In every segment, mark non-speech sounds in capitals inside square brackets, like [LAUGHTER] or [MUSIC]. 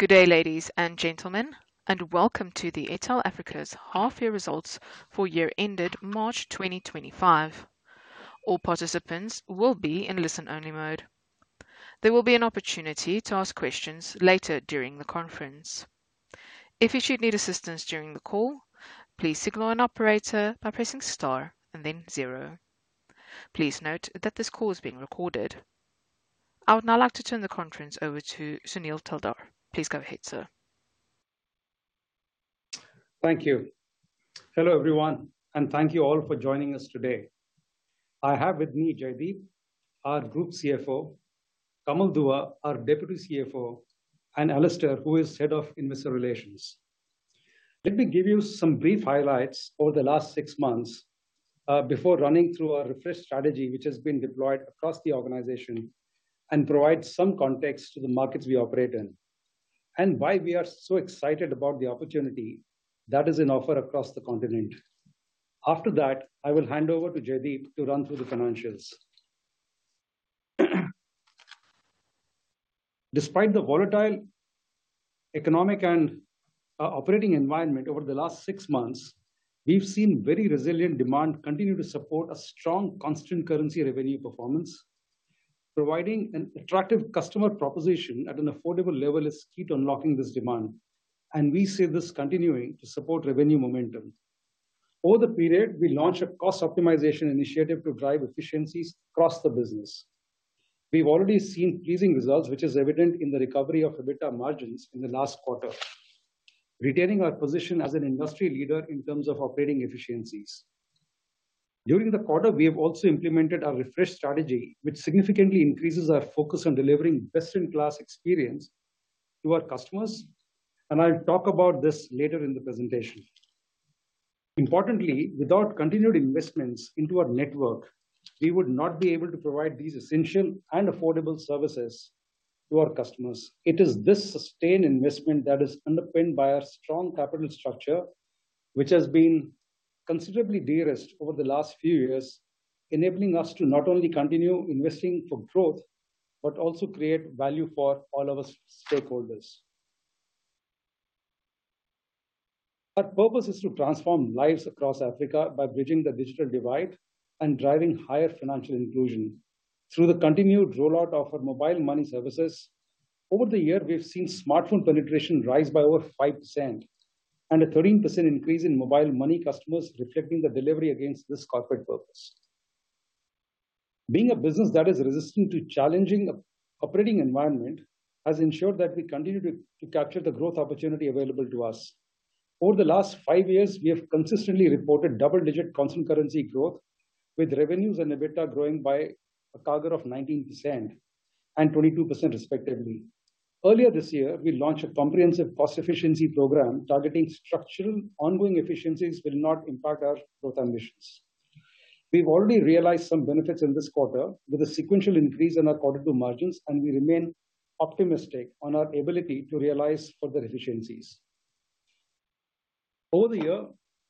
Good day, ladies and gentlemen, and welcome to the Airtel Africa's half year results for year ended March 2025. All participants will be in listen-only mode. There will be an opportunity to ask questions later during the conference. If you should need assistance during the call, please signal an operator by pressing star and then zero. Please note that this call is being recorded. I would now like to turn the conference over to Sunil Taldar. Please go ahead, sir. Thank you. Hello, everyone, and thank you all for joining us today. I have with me Jaideep, our Group CFO, Kamal Dua, our Deputy CFO, and Alistair, who is Head of Investor Relations. Let me give you some brief highlights over the last six months before running through our refreshed strategy, which has been deployed across the organization and provide some context to the markets we operate in, and why we are so excited about the opportunity that is on offer across the continent. After that, I will hand over to Jaideep to run through the financials. Despite the volatile economic and operating environment over the last six months, we've seen very resilient demand continue to support a strong constant currency revenue performance. Providing an attractive customer proposition at an affordable level is key to unlocking this demand, and we see this continuing to support revenue momentum. Over the period, we launched a cost optimization initiative to drive efficiencies across the business. We've already seen pleasing results, which is evident in the recovery of EBITDA margins in the last quarter, retaining our position as an industry leader in terms of operating efficiencies. During the quarter, we have also implemented our refreshed strategy, which significantly increases our focus on delivering best-in-class experience to our customers, and I'll talk about this later in the presentation. Importantly, without continued investments into our network, we would not be able to provide these essential and affordable services to our customers. It is this sustained investment that is underpinned by our strong capital structure, which has been considerably de-risked over the last few years, enabling us to not only continue investing for growth, but also create value for all our stakeholders. Our purpose is to transform lives across Africa by bridging the digital divide and driving higher financial inclusion. Through the continued rollout of our mobile money services, over the year, we've seen smartphone penetration rise by over 5% and a 13% increase in mobile money customers, reflecting the delivery against this corporate purpose. Being a business that is resistant to challenging operating environment has ensured that we continue to capture the growth opportunity available to us. Over the last five years, we have consistently reported double-digit constant currency growth, with revenues and EBITDA growing by a CAGR of 19% and 22%, respectively. Earlier this year, we launched a comprehensive cost efficiency program, targeting structural ongoing efficiencies will not impact our growth ambitions. We've already realized some benefits in this quarter with a sequential increase in our quarter two margins, and we remain optimistic on our ability to realize further efficiencies. Over the year,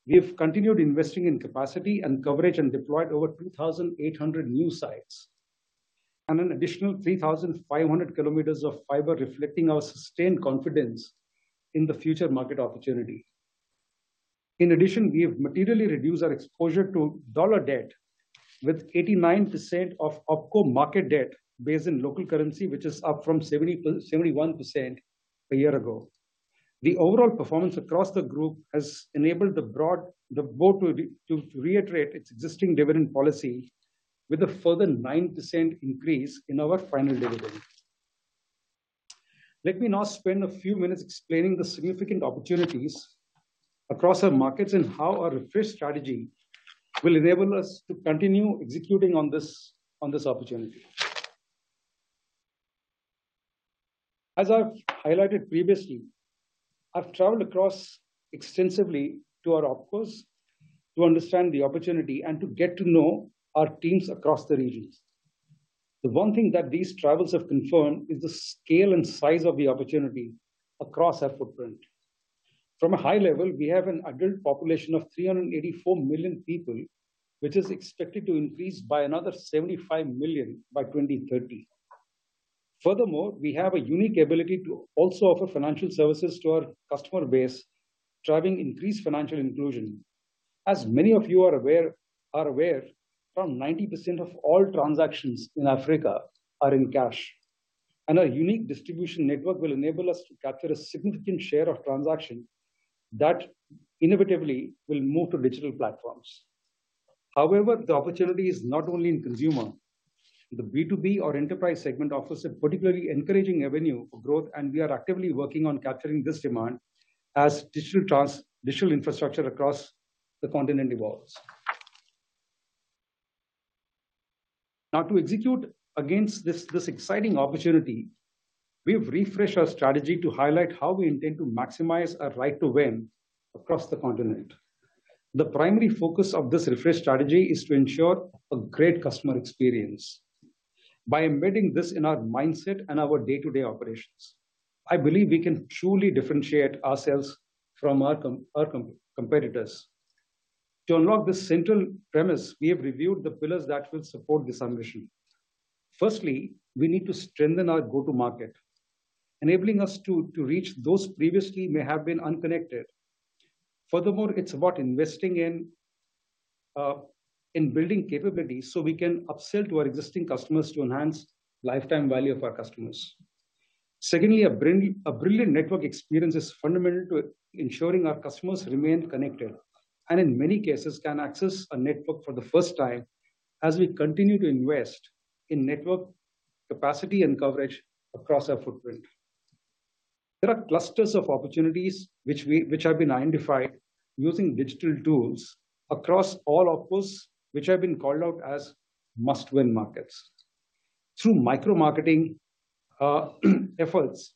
we've continued investing in capacity and coverage and deployed over 2,800 new sites and an additional 3,500 kilometers of fiber, reflecting our sustained confidence in the future market opportunity. In addition, we have materially reduced our exposure to dollar debt, with 89% of OpCo market debt based in local currency, which is up from 71% a year ago. The overall performance across the group has enabled the board to reiterate its existing dividend policy with a further 9% increase in our final dividend. Let me now spend a few minutes explaining the significant opportunities across our markets and how our refreshed strategy will enable us to continue executing on this, on this opportunity. As I've highlighted previously, I've traveled across extensively to our OpCos to understand the opportunity and to get to know our teams across the regions. The one thing that these travels have confirmed is the scale and size of the opportunity across our footprint. From a high level, we have an adult population of 384 million people, which is expected to increase by another 75 million by 2030. Furthermore, we have a unique ability to also offer financial services to our customer base, driving increased financial inclusion. As many of you are aware, around 90% of all transactions in Africa are in cash, and our unique distribution network will enable us to capture a significant share of transactions that inevitably will move to digital platforms. However, the opportunity is not only in consumer. The B2B or enterprise segment offers a particularly encouraging avenue for growth, and we are actively working on capturing this demand as digital infrastructure across the continent evolves. Now, to execute against this exciting opportunity, we've refreshed our strategy to highlight how we intend to maximize our right to win across the continent. The primary focus of this refreshed strategy is to ensure a great customer experience. By embedding this in our mindset and our day-to-day operations, I believe we can truly differentiate ourselves from our competitors. To unlock this central premise, we have reviewed the pillars that will support this ambition. Firstly, we need to strengthen our go-to-market, enabling us to reach those previously may have been unconnected. Furthermore, it's about investing in building capabilities so we can upsell to our existing customers to enhance lifetime value of our customers. Secondly, a brilliant network experience is fundamental to ensuring our customers remain connected, and in many cases, can access a network for the first time as we continue to invest in network capacity and coverage across our footprint. There are clusters of opportunities which have been identified using digital tools across all OpCos, which have been called out as must-win markets. Through micro-marketing efforts,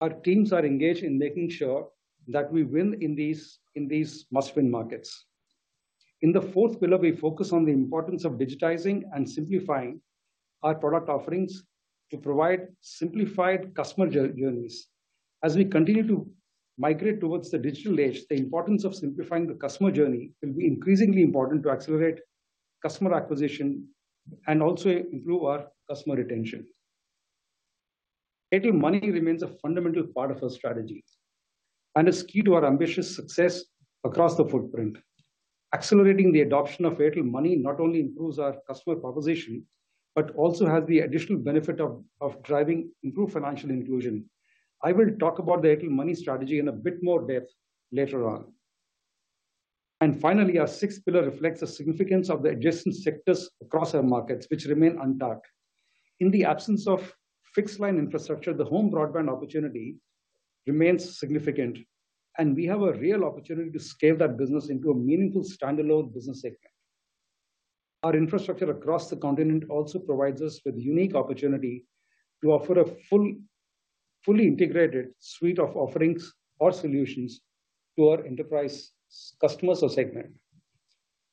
our teams are engaged in making sure that we win in these must-win markets. In the fourth pillar, we focus on the importance of digitizing and simplifying our product offerings to provide simplified customer journeys. As we continue to migrate towards the digital age, the importance of simplifying the customer journey will be increasingly important to accelerate customer acquisition and also improve our customer retention. Airtel Money remains a fundamental part of our strategy and is key to our ambitious success across the footprint. Accelerating the adoption of Airtel Money not only improves our customer proposition, but also has the additional benefit of driving improved financial inclusion. I will talk about the Airtel Money strategy in a bit more depth later on. And finally, our sixth pillar reflects the significance of the adjacent sectors across our markets, which remain untapped. In the absence of fixed-line infrastructure, the home broadband opportunity remains significant, and we have a real opportunity to scale that business into a meaningful standalone business segment. Our infrastructure across the continent also provides us with unique opportunity to offer a full, fully integrated suite of offerings or solutions to our enterprise customers or segment.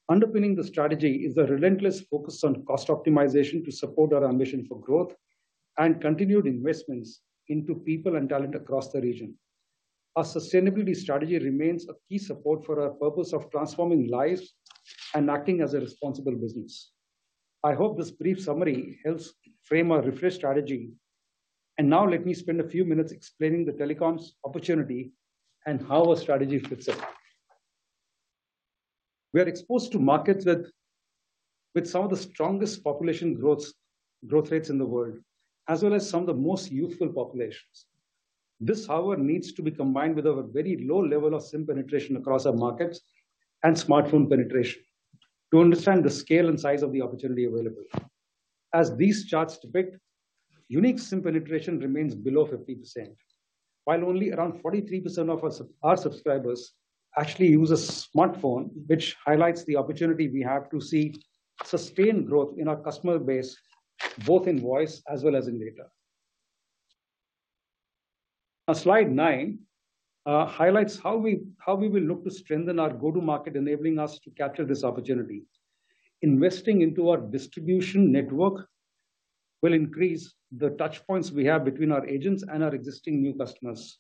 Underpinning the strategy is a relentless focus on cost optimization to support our ambition for growth and continued investments into people and talent across the region. Our sustainability strategy remains a key support for our purpose of transforming lives and acting as a responsible business. I hope this brief summary helps frame our refreshed strategy, and now let me spend a few minutes explaining the telecoms opportunity and how our strategy fits in. We are exposed to markets with some of the strongest population growths, growth rates in the world, as well as some of the most youthful populations. This, however, needs to be combined with a very low level of SIM penetration across our markets and smartphone penetration to understand the scale and size of the opportunity available. As these charts depict, unique SIM penetration remains below 50%, while only around 43% of our our subscribers actually use a smartphone, which highlights the opportunity we have to see sustained growth in our customer base, both in voice as well as in data. Now, slide nine highlights how we will look to strengthen our go-to-market, enabling us to capture this opportunity. Investing into our distribution network will increase the touch points we have between our agents and our existing new customers.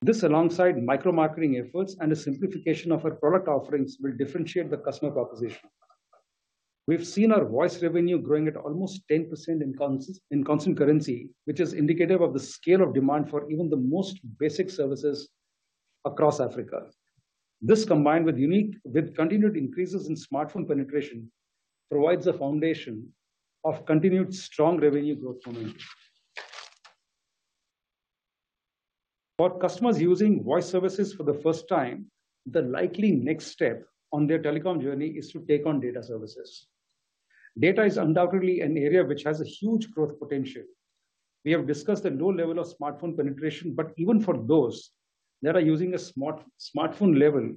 This, alongside micro-marketing efforts and a simplification of our product offerings, will differentiate the customer proposition. We've seen our voice revenue growing at almost 10% in constant currency, which is indicative of the scale of demand for even the most basic services across Africa. This, combined with continued increases in smartphone penetration, provides a foundation of continued strong revenue growth for me. For customers using voice services for the first time, the likely next step on their telecom journey is to take on data services. Data is undoubtedly an area which has a huge growth potential. We have discussed the low level of smartphone penetration, but even for those that are using a smartphone, level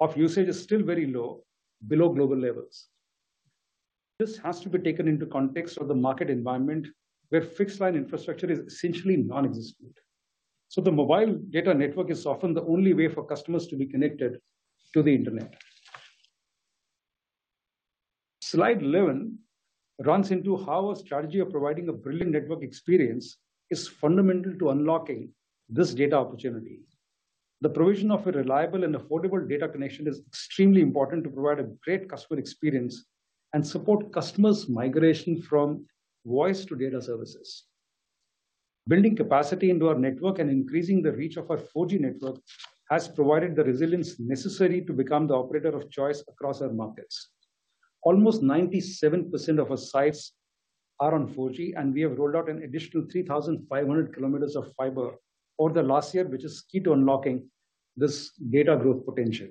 of usage is still very low, below global levels. This has to be taken into context of the market environment, where fixed-line infrastructure is essentially nonexistent, so the mobile data network is often the only way for customers to be connected to the internet. Slide 11 runs into how our strategy of providing a brilliant network experience is fundamental to unlocking this data opportunity. The provision of a reliable and affordable data connection is extremely important to provide a great customer experience and support customers' migration from voice to data services. Building capacity into our network and increasing the reach of our 4G network has provided the resilience necessary to become the operator of choice across our markets. Almost 97% of our sites are on 4G, and we have rolled out an additional 3,500 kilometers of fiber over the last year, which is key to unlocking this data growth potential.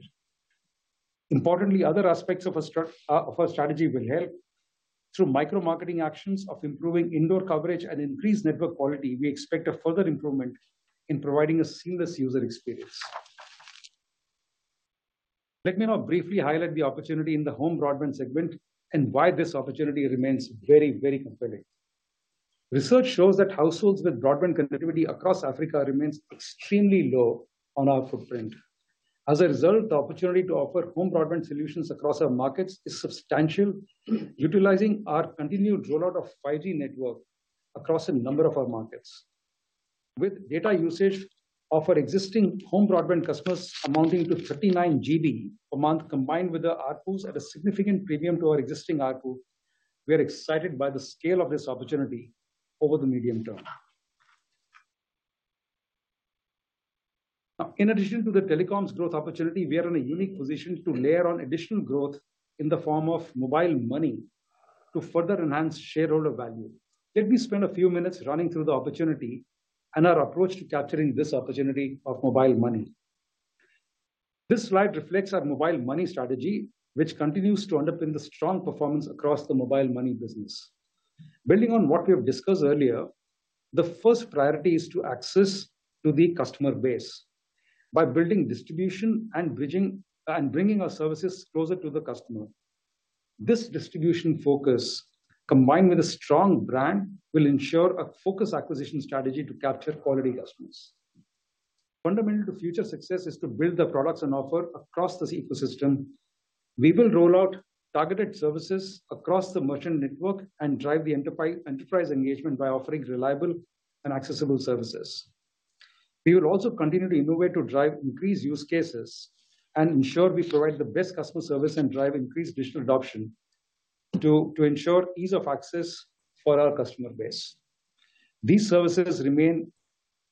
Importantly, other aspects of our strategy will help. Through micro-marketing actions of improving indoor coverage and increased network quality, we expect a further improvement in providing a seamless user experience. Let me now briefly highlight the opportunity in the home broadband segment and why this opportunity remains very, very compelling. Research shows that households with broadband connectivity across Africa remains extremely low on our footprint. As a result, the opportunity to offer home broadband solutions across our markets is substantial, utilizing our continued rollout of 5G network across a number of our markets. With data usage of our existing home broadband customers amounting to 39 GB per month, combined with the ARPU at a significant premium to our existing ARPU, we are excited by the scale of this opportunity over the medium term. Now, in addition to the telecoms growth opportunity, we are in a unique position to layer on additional growth in the form of mobile money to further enhance shareholder value. Let me spend a few minutes running through the opportunity and our approach to capturing this opportunity of mobile money. This slide reflects our mobile money strategy, which continues to underpin the strong performance across the mobile money business. Building on what we have discussed earlier, the first priority is to access to the customer base by building distribution and bringing our services closer to the customer. This distribution focus, combined with a strong brand, will ensure a focused acquisition strategy to capture quality customers. Fundamental to future success is to build the products and offer across this ecosystem. We will roll out targeted services across the merchant network and drive the enterprise engagement by offering reliable and accessible services. We will also continue to innovate, to drive increased use cases, and ensure we provide the best customer service and drive increased digital adoption to ensure ease of access for our customer base. These services remain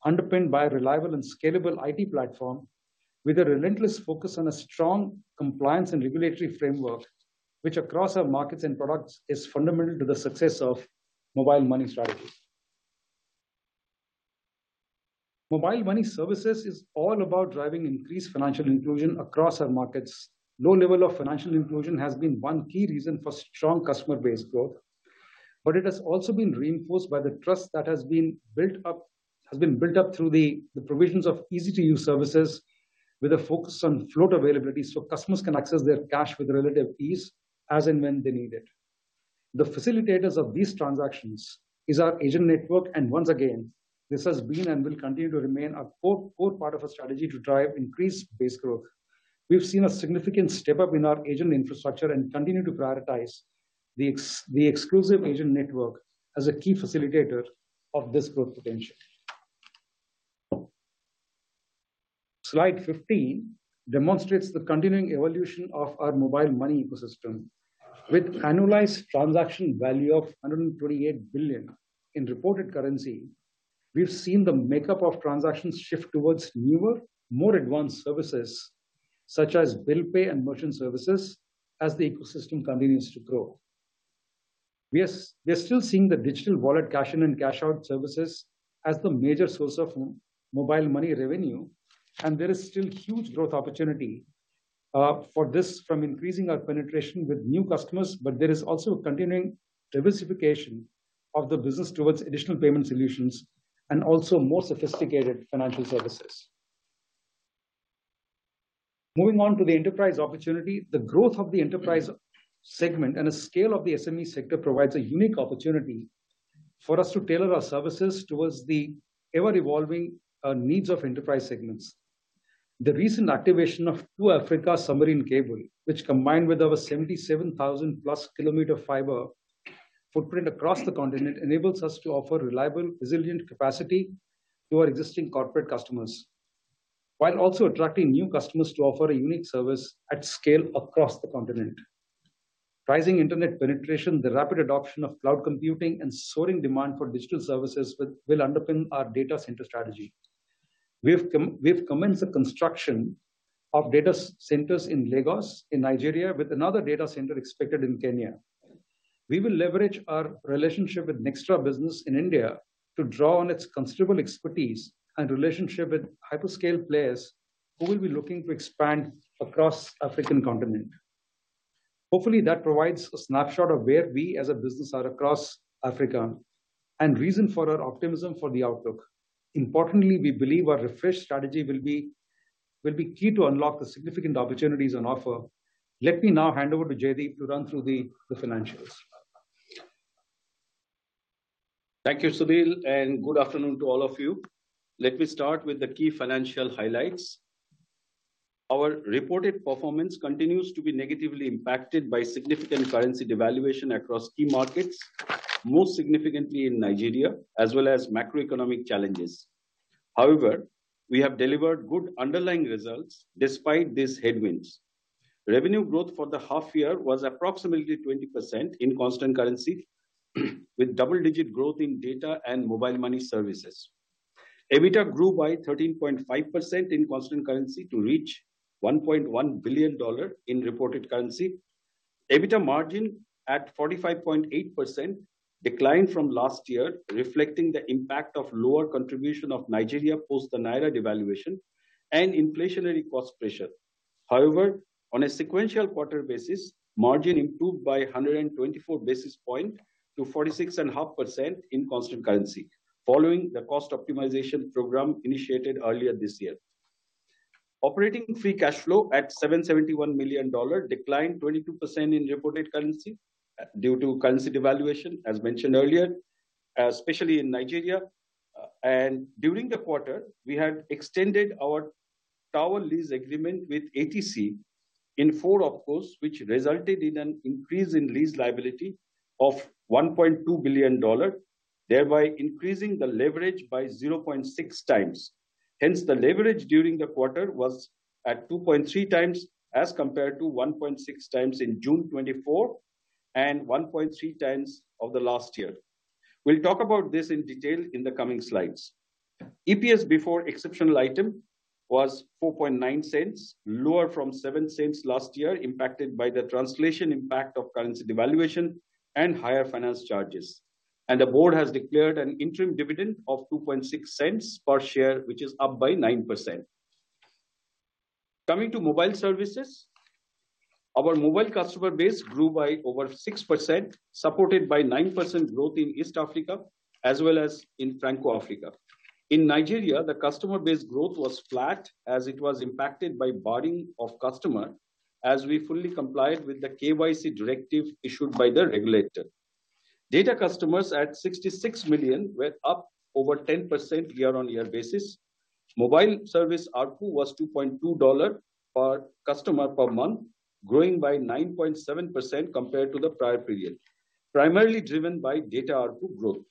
underpinned by a reliable and scalable IT platform with a relentless focus on a strong compliance and regulatory framework, which across our markets and products, is fundamental to the success of mobile money strategies. Mobile money services is all about driving increased financial inclusion across our markets. Low level of financial inclusion has been one key reason for strong customer base growth, but it has also been reinforced by the trust that has been built up through the provisions of easy-to-use services, with a focus on float availability, so customers can access their cash with relative ease as and when they need it. The facilitators of these transactions is our agent network, and once again, this has been and will continue to remain a core part of our strategy to drive increased base growth. We've seen a significant step up in our agent infrastructure and continue to prioritize the exclusive agent network as a key facilitator of this growth potential. Slide 15 demonstrates the continuing evolution of our mobile money ecosystem. With annualized transaction value of $128 billion in reported currency, we've seen the makeup of transactions shift towards newer, more advanced services such as bill pay and merchant services as the ecosystem continues to grow. We are still seeing the digital wallet cash in and cash out services as the major source of mobile money revenue, and there is still huge growth opportunity for this from increasing our penetration with new customers, but there is also continuing diversification of the business towards additional payment solutions and also more sophisticated financial services. Moving on to the enterprise opportunity. The growth of the enterprise segment and the scale of the SME sector provides a unique opportunity for us to tailor our services towards the ever-evolving needs of enterprise segments. The recent activation of 2Africa submarine cable, which combined with our 77,000 km+ fiber footprint across the continent, enables us to offer reliable, resilient capacity to our existing corporate customers, while also attracting new customers to offer a unique service at scale across the continent. Rising internet penetration, the rapid adoption of cloud computing and soaring demand for digital services will underpin our data center strategy. We have commenced the construction of data centers in Lagos, in Nigeria, with another data center expected in Kenya. We will leverage our relationship with Nxtra business in India to draw on its considerable expertise and relationship with hyperscale players who will be looking to expand across African continent. Hopefully, that provides a snapshot of where we as a business are across Africa and reason for our optimism for the outlook. Importantly, we believe our refreshed strategy will be key to unlock the significant opportunities on offer. Let me now hand over to Jaideep to run through the financials. Thank you, Sunil, and good afternoon to all of you. Let me start with the key financial highlights. Our reported performance continues to be negatively impacted by significant currency devaluation across key markets, most significantly in Nigeria, as well as macroeconomic challenges. However, we have delivered good underlying results despite these headwinds. Revenue growth for the half year was approximately 20% in constant currency, with double-digit growth in data and mobile money services. EBITDA grew by 13.5% in constant currency to reach $1.1 billion in reported currency. EBITDA margin at 45.8% declined from last year, reflecting the impact of lower contribution of Nigeria post the naira devaluation and inflationary cost pressure. However, on a sequential quarter basis, margin improved by 124 basis points to 46.5% in constant currency, following the cost optimization program initiated earlier this year. Operating free cash flow at $771 million declined 22% in reported currency due to currency devaluation, as mentioned earlier, especially in Nigeria, and during the quarter, we have extended our tower lease agreement with ATC in four OpCos, which resulted in an increase in lease liability of $1.2 billion, thereby increasing the leverage by 0.6x. Hence, the leverage during the quarter was at 2.3x, as compared to 1.6x in June 2024, and 1.3x of the last year. We'll talk about this in detail in the coming slides. EPS before exceptional item was $0.049, lower from $0.07 last year, impacted by the translation impact of currency devaluation and higher finance charges. The board has declared an interim dividend of $0.026 per share, which is up by 9%. Coming to mobile services, our mobile customer base grew by over 6%, supported by 9% growth in East Africa as well as in Franco-Africa. In Nigeria, the customer base growth was flat, as it was impacted by barring of customers, as we fully complied with the KYC directive issued by the regulator. Data customers at 66 million were up over 10% year-on-year basis. Mobile service ARPU was $2.2 per customer per month, growing by 9.7% compared to the prior period, primarily driven by data ARPU growth.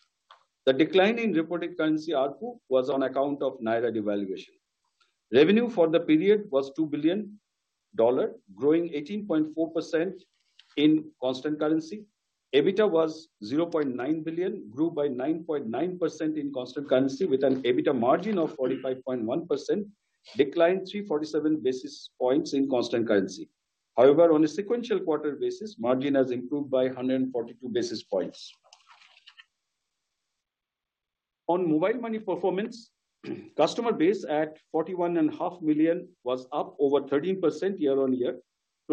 The decline in reported currency ARPU was on account of Naira devaluation. Revenue for the period was $2 billion, growing 18.4% in constant currency. EBITDA was $0.9 billion, grew by 9.9% in constant currency, with an EBITDA margin of 45.1%, declined 347 basis points in constant currency. However, on a sequential quarter basis, margin has improved by 142 basis points. On Mobile Money performance, customer base at 41.5 million was up over 13%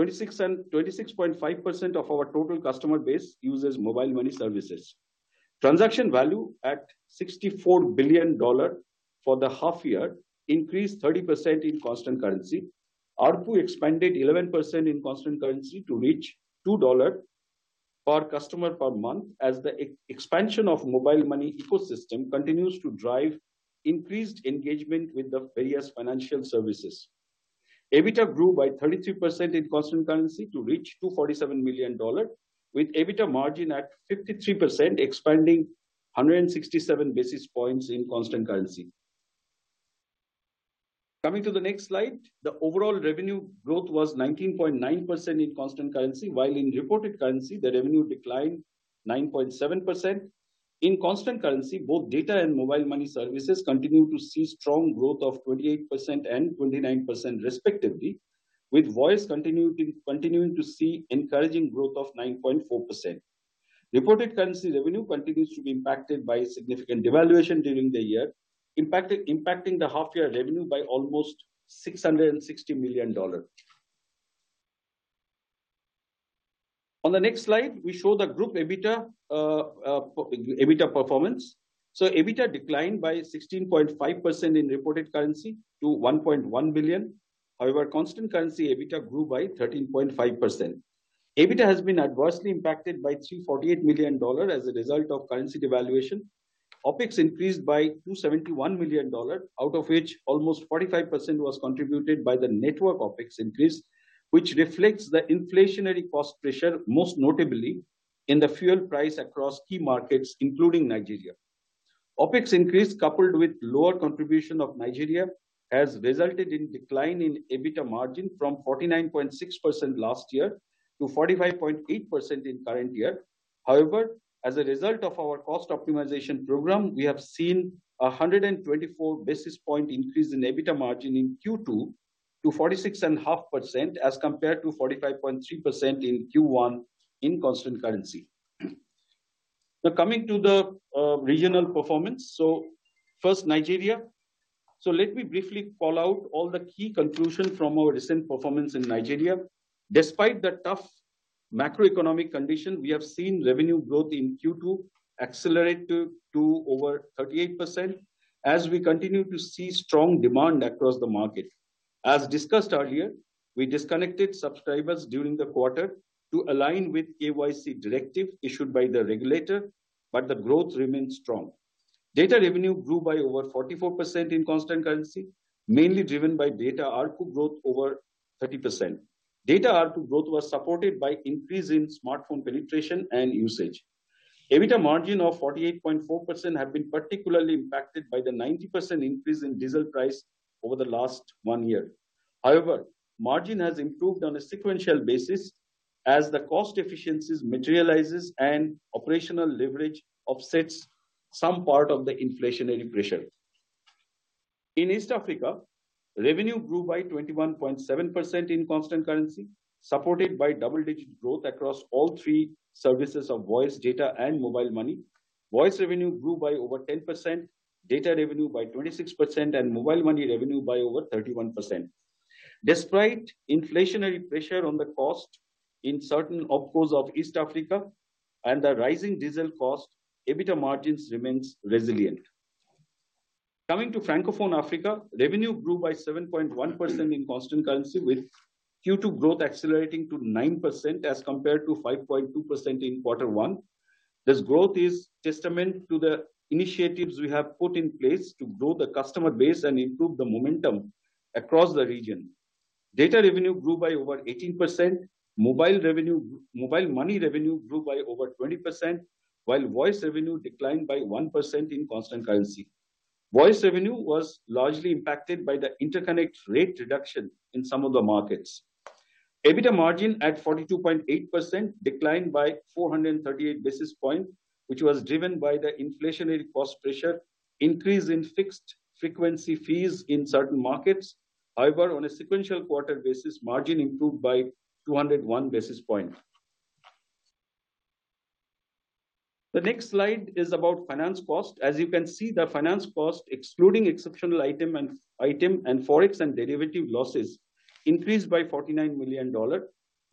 year-on-year. 26.5% of our total customer base uses Mobile Money services. Transaction value at $64 billion for the half year increased 30% in constant currency. ARPU expanded 11% in constant currency to reach $2 per customer per month, as the expansion of Mobile Money ecosystem continues to drive increased engagement with the various financial services. EBITDA grew by 33% in constant currency to reach $247 million, with EBITDA margin at 53%, expanding 167 basis points in constant currency. Coming to the next slide, the overall revenue growth was 19.9% in constant currency, while in reported currency, the revenue declined 9.7%. In constant currency, both data and Mobile Money services continue to see strong growth of 28% and 29% respectively, with voice continuity continuing to see encouraging growth of 9.4%. Reported currency revenue continues to be impacted by significant devaluation during the year, impacting the half-year revenue by almost $660 million. On the next slide, we show the Group EBITDA performance. EBITDA declined by 16.5% in reported currency to $1.1 billion. However, constant currency EBITDA grew by 13.5%. EBITDA has been adversely impacted by $348 million as a result of currency devaluation. OpEx increased by $271 million, out of which almost 45% was contributed by the network OpEx increase, which reflects the inflationary cost pressure, most notably in the fuel price across key markets, including Nigeria. OpEx increase, coupled with lower contribution of Nigeria, has resulted in decline in EBITDA margin from 49.6% last year to 45.8% in current year. However, as a result of our cost optimization program, we have seen a 124 basis point increase in EBITDA margin in Q2 to 46.5%, as compared to 45.3% in Q1 in constant currency. Now, coming to the regional performance. So first, Nigeria. So let me briefly call out all the key conclusion from our recent performance in Nigeria. Despite the tough macroeconomic condition, we have seen revenue growth in Q2 accelerate to over 38%, as we continue to see strong demand across the market. As discussed earlier, we disconnected subscribers during the quarter to align with KYC directive issued by the regulator, but the growth remains strong. Data revenue grew by over 44% in constant currency, mainly driven by data ARPU growth over 30%. Data ARPU growth was supported by increase in smartphone penetration and usage. EBITDA margin of 48.4% have been particularly impacted by the 90% increase in diesel price over the last one year. However, margin has improved on a sequential basis as the cost efficiencies materializes and operational leverage offsets some part of the inflationary pressure. In East Africa, revenue grew by 21.7% in constant currency, supported by double-digit growth across all three services of voice, data, and mobile money. Voice revenue grew by over 10%, data revenue by 26%, and mobile money revenue by over 31%. Despite inflationary pressure on the cost in certain OpCos of East Africa and the rising diesel cost, EBITDA margins remains resilient. Coming to Francophone Africa, revenue grew by 7.1% in constant currency, with Q2 growth accelerating to 9% as compared to 5.2% in quarter one. This growth is testament to the initiatives we have put in place to grow the customer base and improve the momentum across the region. Data revenue grew by over 18%, mobile revenue-- mobile money revenue grew by over 20%, while voice revenue declined by 1% in constant currency. Voice revenue was largely impacted by the interconnect rate reduction in some of the markets. EBITDA margin at 42.8%, declined by 438 basis points, which was driven by the inflationary cost pressure, increase in fixed frequency fees in certain markets. However, on a sequential quarter basis, margin improved by 201 basis points. The next slide is about finance cost. As you can see, the finance cost, excluding exceptional item and Forex and derivative losses, increased by $49 million,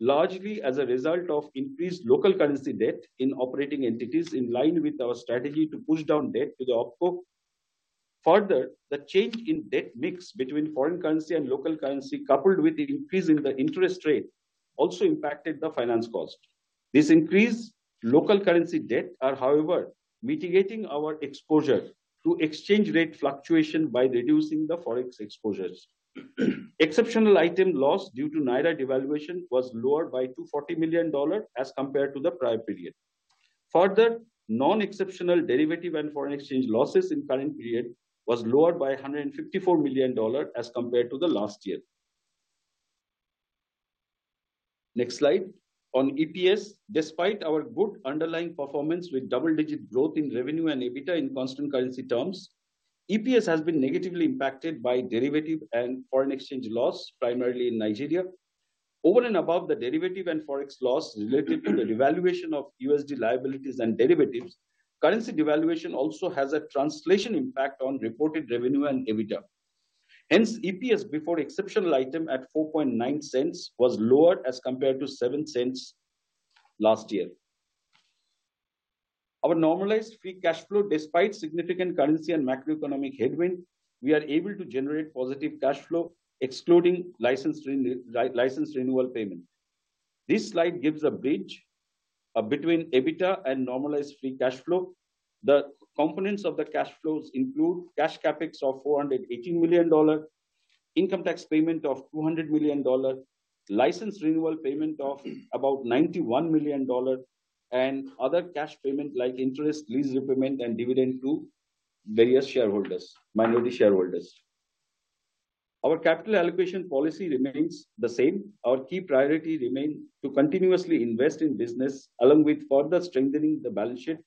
largely as a result of increased local currency debt in operating entities, in line with our strategy to push down debt to the OpCo. Further, the change in debt mix between foreign currency and local currency, coupled with the increase in the interest rate, also impacted the finance cost. This increased local currency debt are, however, mitigating our exposure to exchange rate fluctuation by reducing the Forex exposures. Exceptional item loss due to Naira devaluation was lowered by $240 million as compared to the prior period. Further, non-exceptional derivative and foreign exchange losses in current period was lowered by $154 million as compared to the last year. Next slide. On EPS, despite our good underlying performance with double-digit growth in revenue and EBITDA in constant currency terms, EPS has been negatively impacted by derivative and foreign exchange loss, primarily in Nigeria. Over and above the derivative and Forex loss related to the devaluation of USD liabilities and derivatives, currency devaluation also has a translation impact on reported revenue and EBITDA. Hence, EPS before exceptional item at $0.049, was lower as compared to $0.07 last year. Our normalized free cash flow, despite significant currency and macroeconomic headwind, we are able to generate positive cash flow, excluding license renewal payment. This slide gives a bridge between EBITDA and normalized free cash flow. The components of the cash flows include: cash CapEx of $418 million, income tax payment of $200 million, license renewal payment of about $91 million, and other cash payments like interest, lease repayment, and dividend to various shareholders, minority shareholders. Our capital allocation policy remains the same. Our key priority remain to continuously invest in business, along with further strengthening the balance sheet.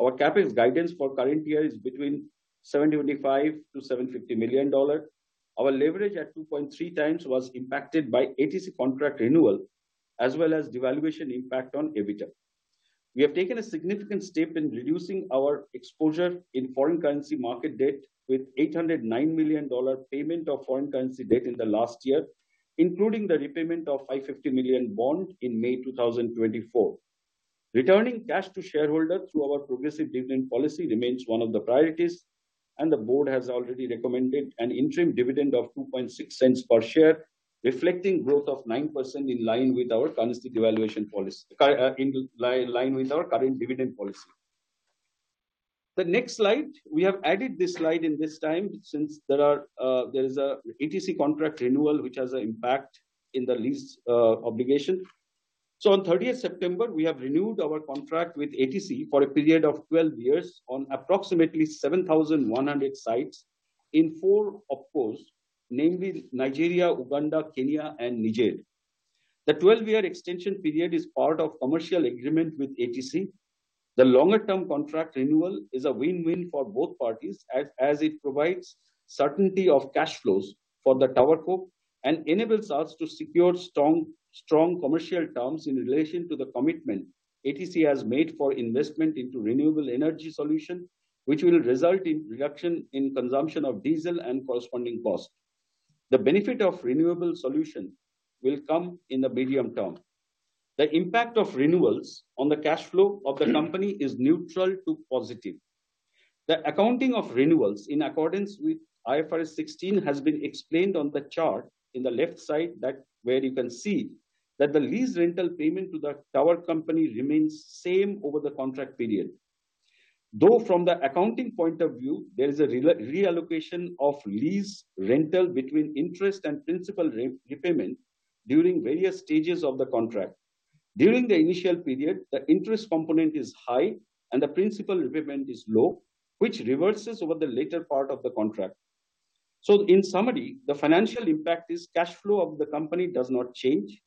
Our CapEx guidance for current year is between $725 million-$750 million. Our leverage at 2.3x was impacted by ATC contract renewal, as well as devaluation impact on EBITDA. We have taken a significant step in reducing our exposure in foreign currency market debt, with $809 million payment of foreign currency debt in the last year, including the repayment of $550 million bond in May 2024. Returning cash to shareholders through our progressive dividend policy remains one of the priorities, and the board has already recommended an interim dividend of 2.6 cents per share, reflecting growth of 9% in line with our current dividend policy. The next slide, we have added this slide this time, since there is an ATC contract renewal, which has an impact in the lease obligation. So on 30th September, we have renewed our contract with ATC for a period of 12 years on approximately 7,100 sites in 4 OpCos, namely Nigeria, Uganda, Kenya and Niger. The 12-year extension period is part of commercial agreement with ATC. The longer term contract renewal is a win-win for both parties, as it provides certainty of cash flows for the TowerCo, and enables us to secure strong commercial terms in relation to the commitment ATC has made for investment into renewable energy solution. Which will result in reduction in consumption of diesel and corresponding costs. The benefit of renewable solution will come in the medium term. The impact of renewals on the cash flow of the company is neutral to positive. The accounting of renewals, in accordance with IFRS 16, has been explained on the chart in the left side, where you can see that the lease rental payment to the tower company remains same over the contract period. Though from the accounting point of view, there is a reallocation of lease rental between interest and principal repayment during various stages of the contract. During the initial period, the interest component is high and the principal repayment is low, which reverses over the later part of the contract. So in summary, the financial impact is cash flow of the company does not change.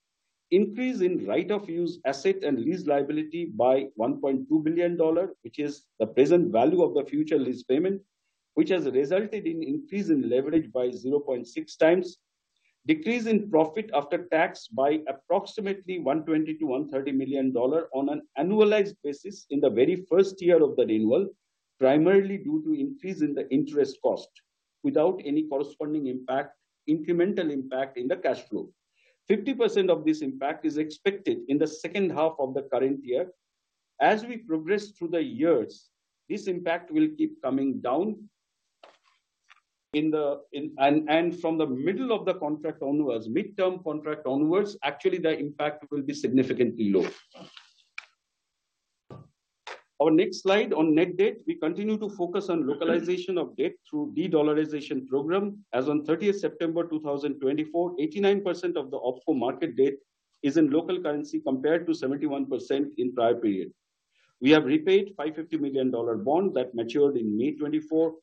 Increase in Right of Use Asset and Lease Liability by $1.2 billion, which is the present value of the future lease payment, which has resulted in increase in leverage by 0.6x. Decrease in profit after tax by approximately $120 million-$130 million on an annualized basis in the very first year of the renewal, primarily due to increase in the interest cost, without any corresponding impact, incremental impact in the cash flow. 50% of this impact is expected in the second half of the current year. As we progress through the years, this impact will keep coming down. From the middle of the contract onwards, midterm contract onwards, actually, the impact will be significantly low. Our next slide on net debt. We continue to focus on localization of debt through de-dollarization program. As on September 30th, 2024, 89% of the OpCo market debt is in local currency, compared to 71% in prior period. We have repaid $550 million bond that matured in May 2024,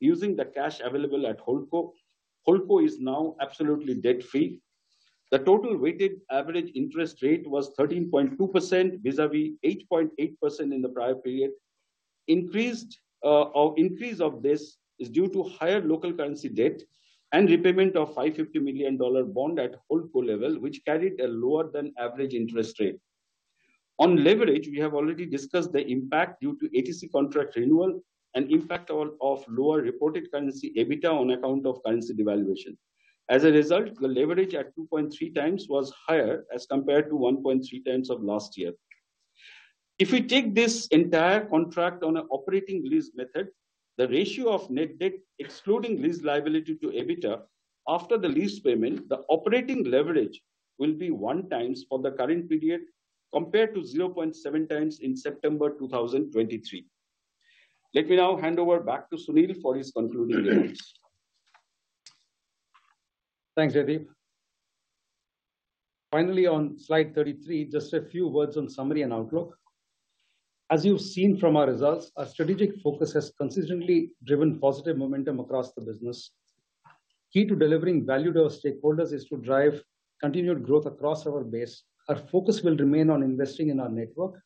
using the cash available at HoldCo. HoldCo is now absolutely debt-free. The total weighted average interest rate was 13.2%, vis-a-vis 8.8% in the prior period. The increase of this is due to higher local currency debt and repayment of $550 million bond at HoldCo level, which carried a lower than average interest rate. On leverage, we have already discussed the impact due to ATC contract renewal and impact of lower reported currency EBITDA on account of currency devaluation. As a result, the leverage at two point three times was higher as compared to one point three times of last year. If we take this entire contract on an operating lease method, the ratio of net debt, excluding lease liability to EBITDA, after the lease payment, the operating leverage will be one times for the current period, compared to 0.7x in September 2023. Let me now hand over back to Sunil for his concluding remarks. Thanks, Jaideep. Finally, on slide 33, just a few words on summary and outlook. As you've seen from our results, our strategic focus has consistently driven positive momentum across the business. Key to delivering value to our stakeholders is to drive continued growth across our base. Our focus will remain on investing in our network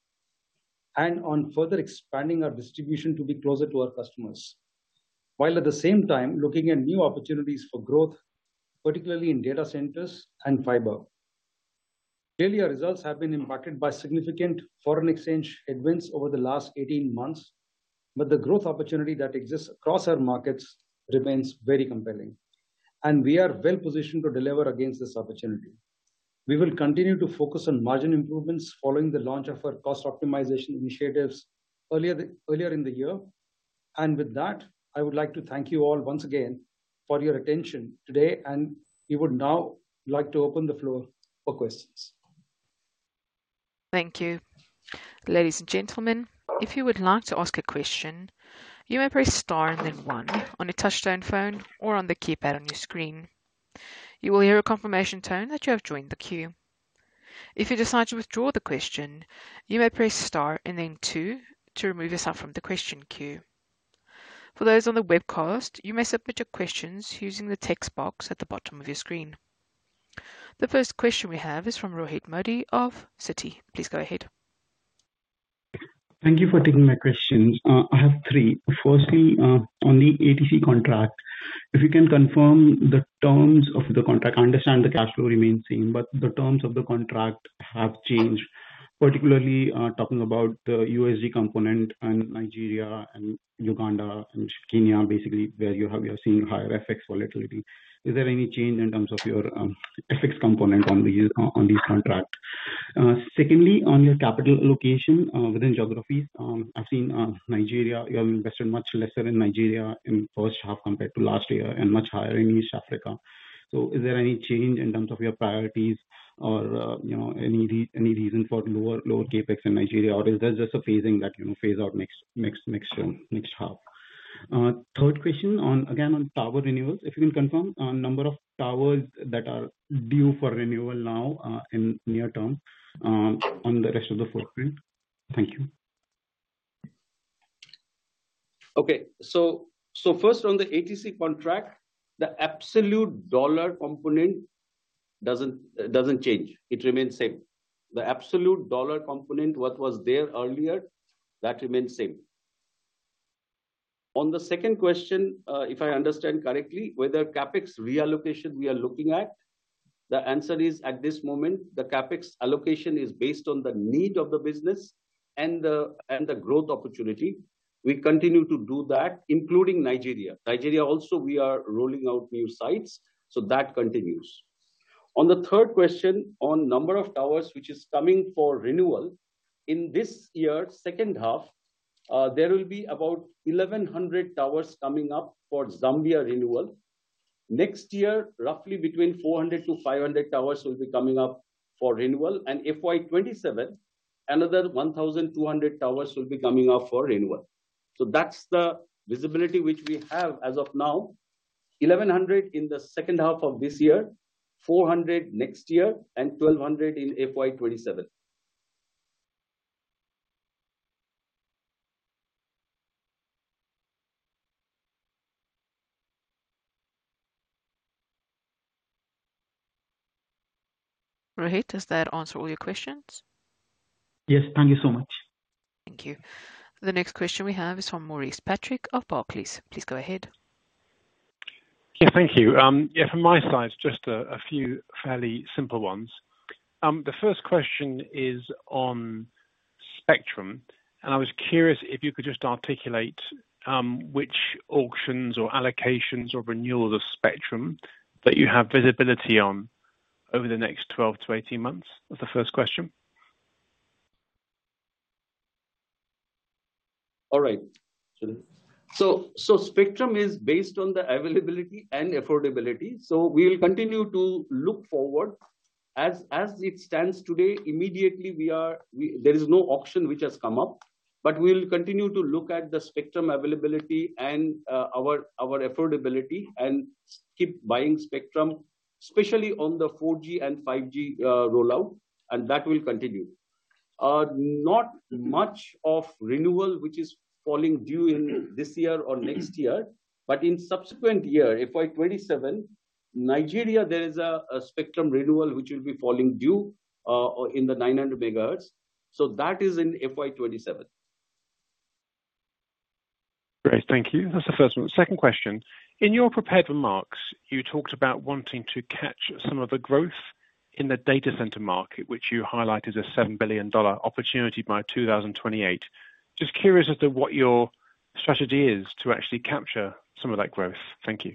and on further expanding our distribution to be closer to our customers, while at the same time looking at new opportunities for growth, particularly in data centers and fiber. Earlier results have been impacted by significant foreign exchange headwinds over the last eighteen months, but the growth opportunity that exists across our markets remains very compelling, and we are well positioned to deliver against this opportunity. We will continue to focus on margin improvements following the launch of our cost optimization initiatives earlier in the year. With that, I would like to thank you all once again for your attention today, and we would now like to open the floor for questions. Thank you. Ladies and gentlemen, if you would like to ask a question, you may press star and then one on a touch-tone phone or on the keypad on your screen. You will hear a confirmation tone that you have joined the queue. If you decide to withdraw the question, you may press star and then two to remove yourself from the question queue. For those on the webcast, you may submit your questions using the text box at the bottom of your screen. The first question we have is from Rohit Modi of Citi. Please go ahead. Thank you for taking my questions. I have three. Firstly, on the ATC contract, if you can confirm the terms of the contract. I understand the cash flow remains same, but the terms of the contract have changed, particularly, talking about the USD component and Nigeria and Uganda and Kenya, basically, where you have, you are seeing higher FX volatility. Is there any change in terms of your, FX component on these contract? Secondly, on your capital allocation, within geographies, I've seen, Nigeria, you have invested much lesser in Nigeria in first half compared to last year and much higher in East Africa. So is there any change in terms of your priorities or, you know, any reason for lower CapEx in Nigeria, or is there just a phasing that, you know, phase out next year next half? Third question on, again, on tower renewals, if you can confirm number of towers that are due for renewal now, in near term, on the rest of the footprint. Thank you. Okay. So first, on the ATC contract, the absolute dollar component doesn't change. It remains same. The absolute dollar component, what was there earlier, that remains same. On the second question, if I understand correctly, whether CapEx reallocation we are looking at, the answer is, at this moment, the CapEx allocation is based on the need of the business and the growth opportunity. We continue to do that, including Nigeria. Nigeria also, we are rolling out new sites, so that continues. On the third question, on number of towers which is coming for renewal, in this year, second half, there will be about 1,100 towers coming up for Zambia renewal. Next year, roughly between 400 towers-500 towers will be coming up for renewal, and FY 2027, another 1,200 towers will be coming up for renewal. That's the visibility which we have as of now. 1,100 towers in the second half of this year, 400 next year, and 1,200 towers in FY 2027. Rohit, does that answer all your questions? Yes. Thank you so much. Thank you. The next question we have is from Maurice Patrick of Barclays. Please go ahead. Yeah, thank you. Yeah, from my side, just a few fairly simple ones. The first question is on spectrum, and I was curious if you could just articulate which auctions or allocations or renewals of spectrum that you have visibility on over the next twelve to eighteen months? That's the first question. All right. So spectrum is based on the availability and affordability, so we will continue to look forward. As it stands today, immediately there is no auction which has come up, but we will continue to look at the spectrum availability and our affordability and keep buying spectrum, especially on the 4G and 5G rollout, and that will continue. Not much of renewal, which is falling due in this year or next year, but in subsequent year, FY 2027, Nigeria, there is a spectrum renewal which will be falling due in the 900 MHz. So that is in FY 2027. Great, thank you. That's the first one. Second question: in your prepared remarks, you talked about wanting to catch some of the growth in the data center market, which you highlighted a $7 billion opportunity by 2028. Just curious as to what your strategy is to actually capture some of that growth. Thank you.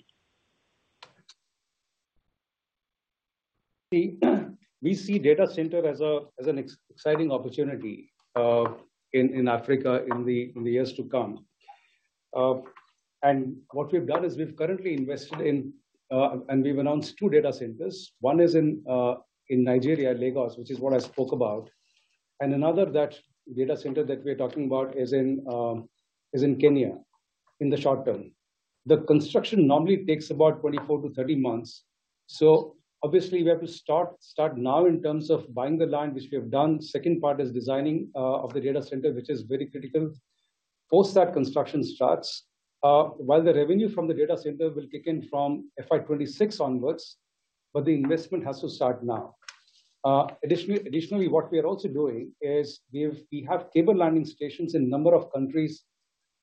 We see data center as an exciting opportunity in Africa in the years to come. And what we've done is we've announced two data centers. One is in Nigeria, Lagos, which is what I spoke about. And another, that data center that we're talking about is in Kenya, in the short term. The construction normally takes about 24 months-30 months, so obviously we have to start now in terms of buying the land, which we have done. Second part is designing of the data center, which is very critical. Post that, construction starts. While the revenue from the data center will kick in from FY 2026 onwards, but the investment has to start now. Additionally, what we are also doing is we have cable landing stations in a number of countries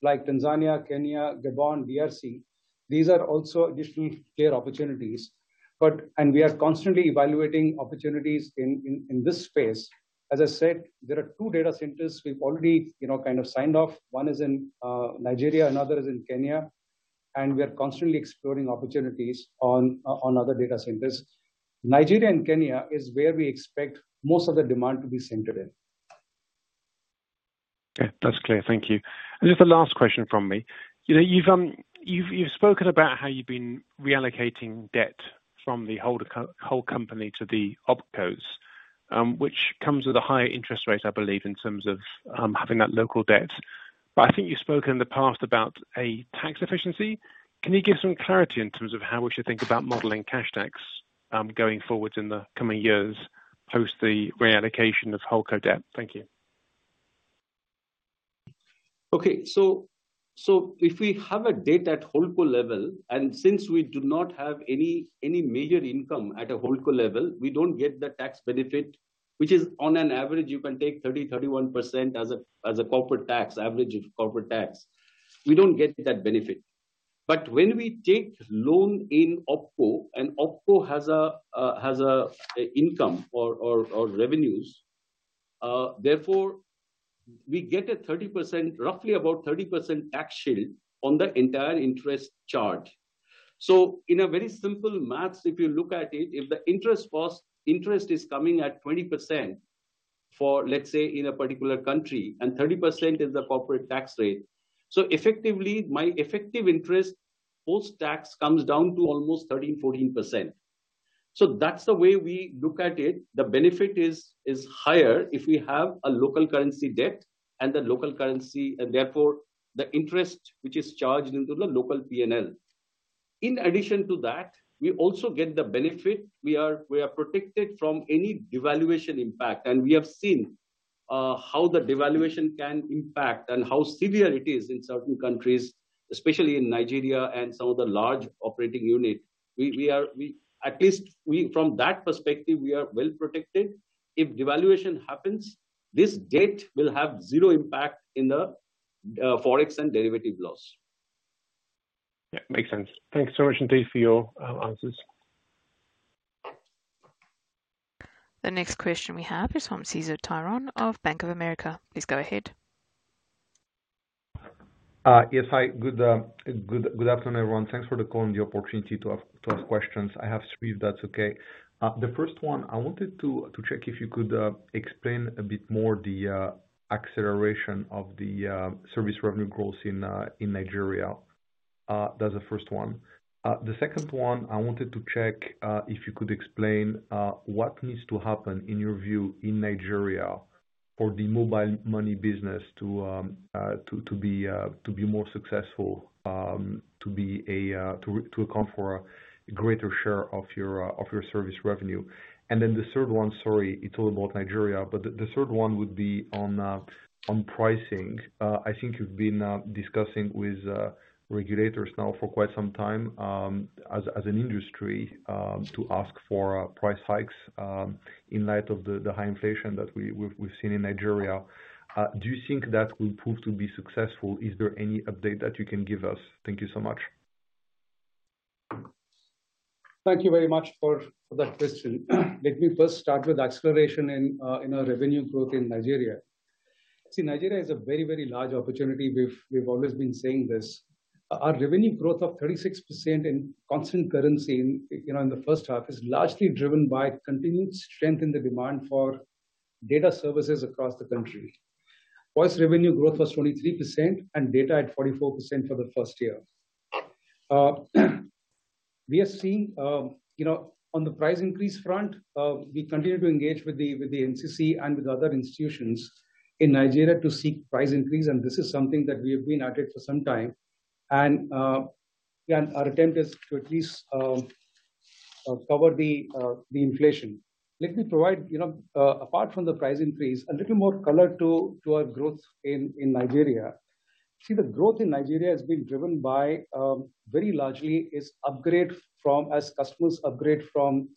like Tanzania, Kenya, Gabon, DRC. These are also additional clear opportunities, but we are constantly evaluating opportunities in this space. As I said, there are two data centers we've already, you know, kind of signed off. One is in Nigeria, another is in Kenya, and we are constantly exploring opportunities on other data centers. Nigeria and Kenya is where we expect most of the demand to be centered in. Okay, that's clear. Thank you. And just the last question from me: You know, you've spoken about how you've been reallocating debt from the HoldCo - whole company to the OpCos, which comes with a higher interest rate, I believe, in terms of having that local debt. But I think you've spoken in the past about a tax efficiency. Can you give some clarity in terms of how we should think about modeling cash tax, going forward in the coming years, post the reallocation of HoldCo debt? Thank you. Okay, so if we have a debt at HoldCo level, and since we do not have any major income at a HoldCo level, we don't get the tax benefit, which is on an average, you can take 30%-31% as a corporate tax, average corporate tax. We don't get that benefit. But when we take loan in OpCo, and OpCo has a income or revenues, therefore we get a 30%, roughly about 30% tax shield on the entire interest charge. So in a very simple math, if you look at it, if the interest is coming at 20% for, let's say, in a particular country, and 30% is the corporate tax rate, so effectively, my effective interest, post tax, comes down to almost 13%-14%. So that's the way we look at it. The benefit is higher if we have a local currency debt and the local currency, and therefore, the interest which is charged into the local PNL. In addition to that, we also get the benefit. We are protected from any devaluation impact, and we have seen how the devaluation can impact and how severe it is in certain countries, especially in Nigeria and some of the large operating unit. We are well protected from that perspective. If devaluation happens, this debt will have zero impact in the Forex and derivative loss. Yeah, makes sense. Thank you so much, indeed, for your answers. The next question we have is from Cesar Tiron of Bank of America. Please go ahead. Yes, hi. Good afternoon, everyone. Thanks for the call and the opportunity to ask questions. I have three, if that's okay. The first one, I wanted to check if you could explain a bit more the acceleration of the service revenue growth in Nigeria. The second one, I wanted to check if you could explain what needs to happen, in your view, in Nigeria for the mobile money business to be more successful, to account for a greater share of your service revenue. And then the third one, sorry, it's all about Nigeria, but the third one would be on pricing. I think you've been discussing with regulators now for quite some time, as an industry, to ask for price hikes, in light of the high inflation that we've seen in Nigeria. Do you think that will prove to be successful? Is there any update that you can give us? Thank you so much. Thank you very much for that question. Let me first start with acceleration in our revenue growth in Nigeria. See, Nigeria is a very, very large opportunity. We've always been saying this. Our revenue growth of 36% in constant currency in, you know, in the first half, is largely driven by continued strength in the demand for data services across the country. Voice revenue growth was 23% and data at 44% for the first year. We are seeing, you know, on the price increase front, we continue to engage with the NCC and with other institutions in Nigeria to seek price increase, and this is something that we have been at it for some time. Yeah, our attempt is to at least cover the inflation. Let me provide, you know, apart from the price increase, a little more color to our growth in Nigeria. See, the growth in Nigeria has been driven by, very largely, as customers upgrade from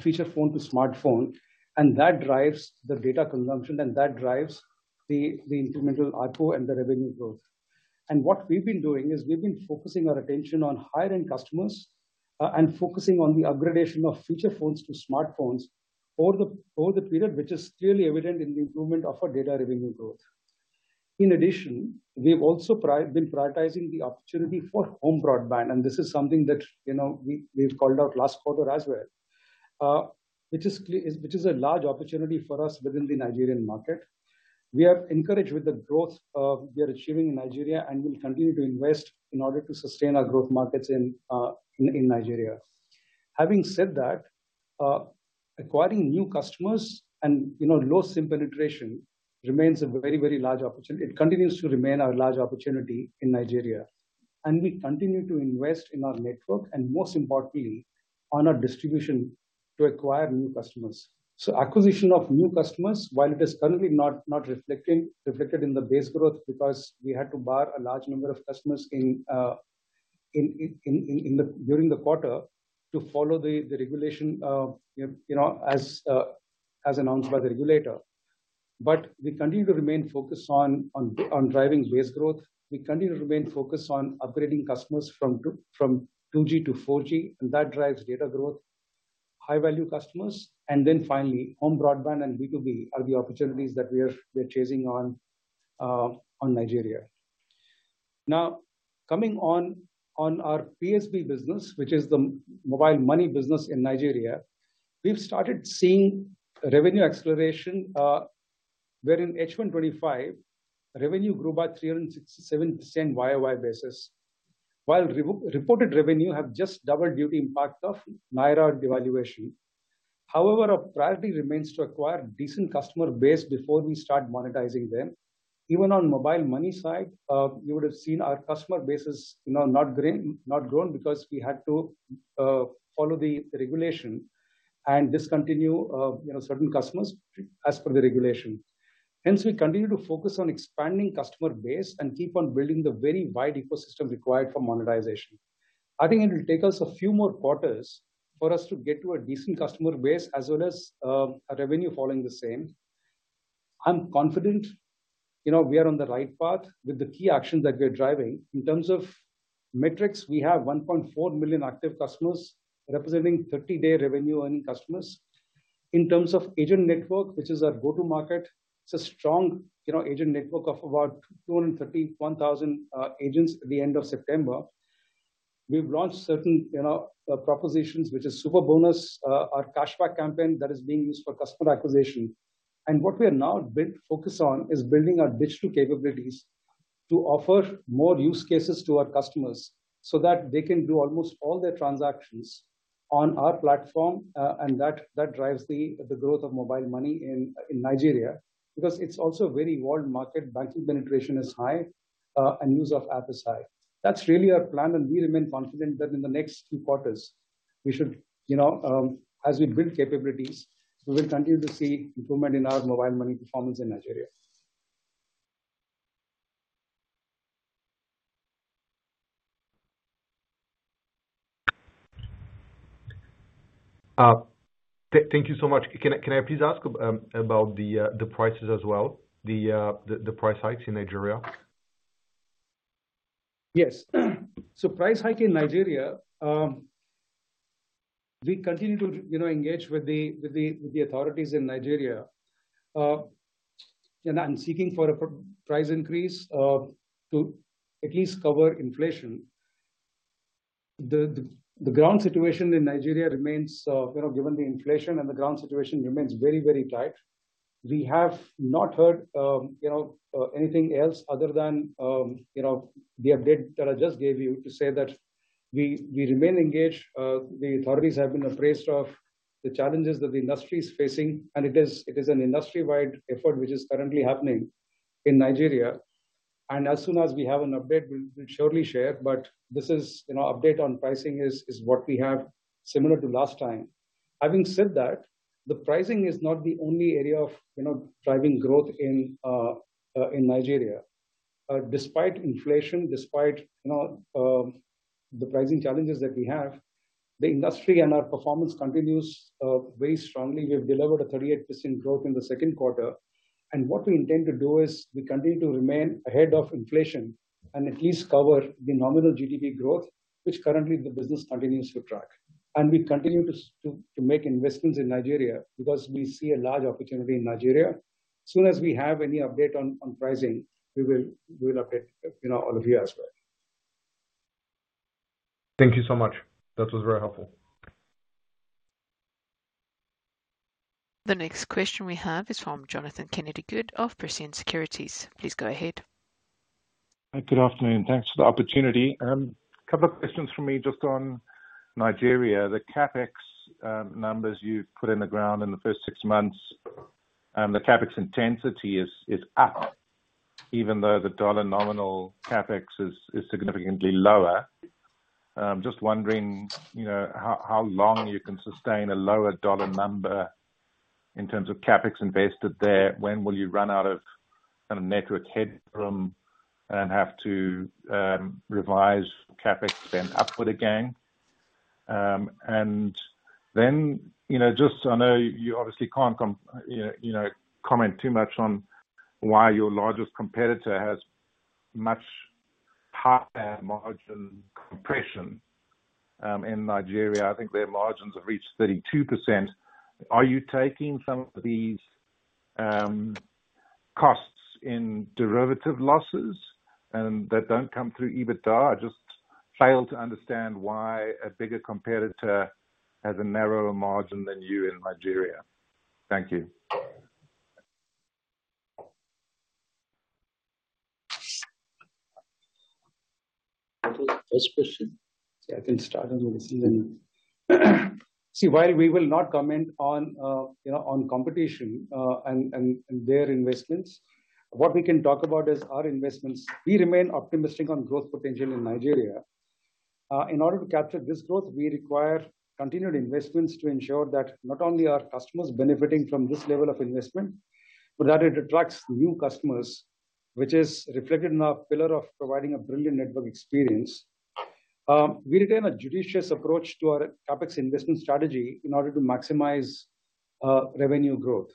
feature phone to smartphone, and that drives the data consumption, and that drives the incremental ARPU and the revenue growth. And what we've been doing is we've been focusing our attention on higher-end customers, and focusing on the upgradation of feature phones to smartphones over the period, which is clearly evident in the improvement of our data revenue growth. In addition, we've also been prioritizing the opportunity for home broadband, and this is something that, you know, we, we've called out last quarter as well. Which is a large opportunity for us within the Nigerian market. We are encouraged with the growth we are achieving in Nigeria, and we'll continue to invest in order to sustain our growth markets in Nigeria. Having said that, acquiring new customers and, you know, low SIM penetration remains a very, very large opportunity. It continues to remain our large opportunity in Nigeria, and we continue to invest in our network, and most importantly, on our distribution to acquire new customers. So acquisition of new customers, while it is currently not reflected in the base growth, because we had to bar a large number of customers during the quarter to follow the regulation, you know, as announced by the regulator. But we continue to remain focused on driving base growth. We continue to remain focused on upgrading customers from 2G to 4G, and that drives data growth, high-value customers. Then finally, home broadband and B2B are the opportunities that we're chasing on Nigeria. Now, coming on our PSP business, which is the mobile money business in Nigeria, we've started seeing revenue acceleration, where in H1 2025, revenue grew by 367% YOY basis, while reported revenue have just doubled due to impact of Naira devaluation. However, our priority remains to acquire decent customer base before we start monetizing them. Even on mobile money side, you would have seen our customer base is, you know, not growing, not grown because we had to follow the regulation and discontinue, you know, certain customers as per the regulation. Hence, we continue to focus on expanding customer base and keep on building the very wide ecosystem required for monetization. I think it will take us a few more quarters for us to get to a decent customer base, as well as, a revenue following the same. I'm confident, you know, we are on the right path with the key actions that we are driving. In terms of metrics, we have 1.4 million active customers, representing thirty-day revenue-earning customers. In terms of agent network, which is our go-to market, it's a strong, you know, agent network of about 231,000 agents at the end of September. We've launched certain, you know, propositions, which is Super Bonus, our cashback campaign that is being used for customer acquisition. What we are now focused on is building our digital capabilities to offer more use cases to our customers, so that they can do almost all their transactions on our platform, and that drives the growth of mobile money in Nigeria. Because it's also a very wide market, banking penetration is high, and use of app is high. That's really our plan, and we remain confident that in the next two quarters, we should, you know, as we build capabilities, we will continue to see improvement in our mobile money performance in Nigeria. Thank you so much. Can I please ask about the prices as well? The price hikes in Nigeria. Yes. So price hike in Nigeria, we continue to, you know, engage with the, with the, the authorities in Nigeria, and, and seeking for a price increase, to at least cover inflation. The ground situation in Nigeria remains, you know, given the inflation, and the ground situation remains very, very tight. We have not heard, you know, anything else other than, you know, the update that I just gave you to say that we, we remain engaged. The authorities have been appraised of the challenges that the industry is facing, and it is an industry-wide effort which is currently happening in Nigeria. And as soon as we have an update, we'll, we'll surely share, but this is, you know, update on pricing is what we have similar to last time. Having said that, the pricing is not the only area of, you know, driving growth in, in Nigeria. Despite inflation, despite, you know, the pricing challenges that we have, the industry and our performance continues very strongly. We have delivered a 38% growth in the second quarter. And what we intend to do is we continue to remain ahead of inflation and at least cover the nominal GDP growth, which currently the business continues to track. And we continue to make investments in Nigeria because we see a large opportunity in Nigeria. As soon as we have any update on pricing, we will update, you know, all of you as well. Thank you so much. That was very helpful. The next question we have is from Jonathan Kennedy-Good of Prescient Securities. Please go ahead. Good afternoon, and thanks for the opportunity. Couple of questions for me just on Nigeria. The CapEx numbers you've put in the ground in the first six months, and the CapEx intensity is up, even though the dollar nominal CapEx is significantly lower. Just wondering, you know, how long you can sustain a lower dollar number in terms of CapEx invested there? When will you run out of kind of network headroom and have to revise CapEx then upward again? And then, you know, just I know you obviously can't comment too much on why your largest competitor has much higher margin compression in Nigeria. I think their margins have reached 32%. Are you taking some of these costs in derivative losses, and that don't come through EBITDA? I just fail to understand why a bigger competitor has a narrower margin than you in Nigeria? Thank you. What was the first question? Yeah, I can start on this and see, while we will not comment on, you know, on competition and their investments, what we can talk about is our investments. We remain optimistic on growth potential in Nigeria. In order to capture this growth, we require continued investments to ensure that not only are customers benefiting from this level of investment, but that it attracts new customers, which is reflected in our pillar of providing a brilliant network experience. We retain a judicious approach to our CapEx investment strategy in order to maximize revenue growth.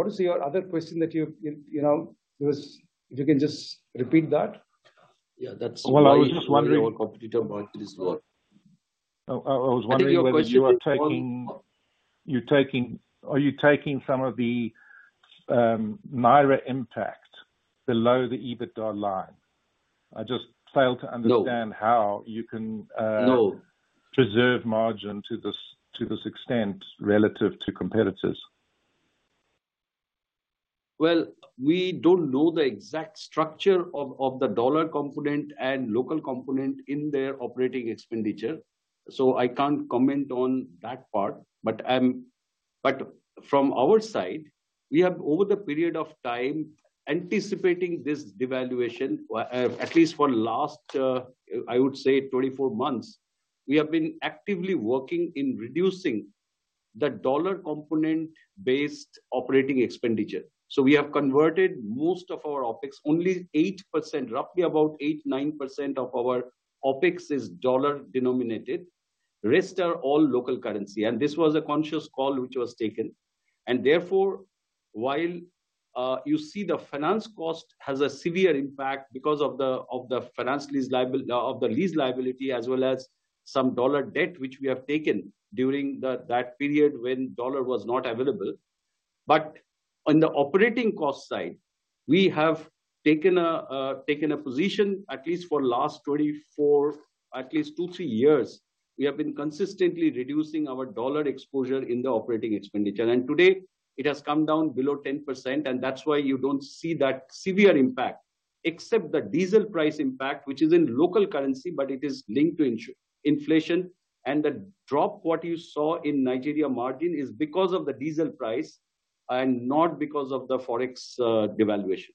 What is your other question that you know there was? If you can just repeat that? Yeah, that's- Well, I was just wondering- Competitor margin as well. I was wondering [AUDIO DISTORTION] Are you taking some of the Naira impact below the EBITDA line? I just fail to understand- No. How you can. No Preserve margin to this extent relative to competitors. We don't know the exact structure of the dollar component and local component in their operating expenditure, so I can't comment on that part. But from our side, we have over the period of time, anticipating this devaluation, at least for the last 24 months, we have been actively working in reducing the dollar component-based operating expenditure. So we have converted most of our OpEx. Only 8%, roughly about 8%-9% of our OpEx is dollar denominated. Rest are all local currency, and this was a conscious call which was taken. And therefore, while you see the finance cost has a severe impact because of the finance lease liability of the lease liability, as well as some dollar debt, which we have taken during that period when dollar was not available. But on the operating cost side, we have taken a position, at least for the last two, three years, we have been consistently reducing our dollar exposure in the operating expenditure. And today it has come down below 10%, and that's why you don't see that severe impact, except the diesel price impact, which is in local currency, but it is linked to inflation. And the drop, what you saw in Nigeria margin, is because of the diesel price and not because of the Forex devaluation.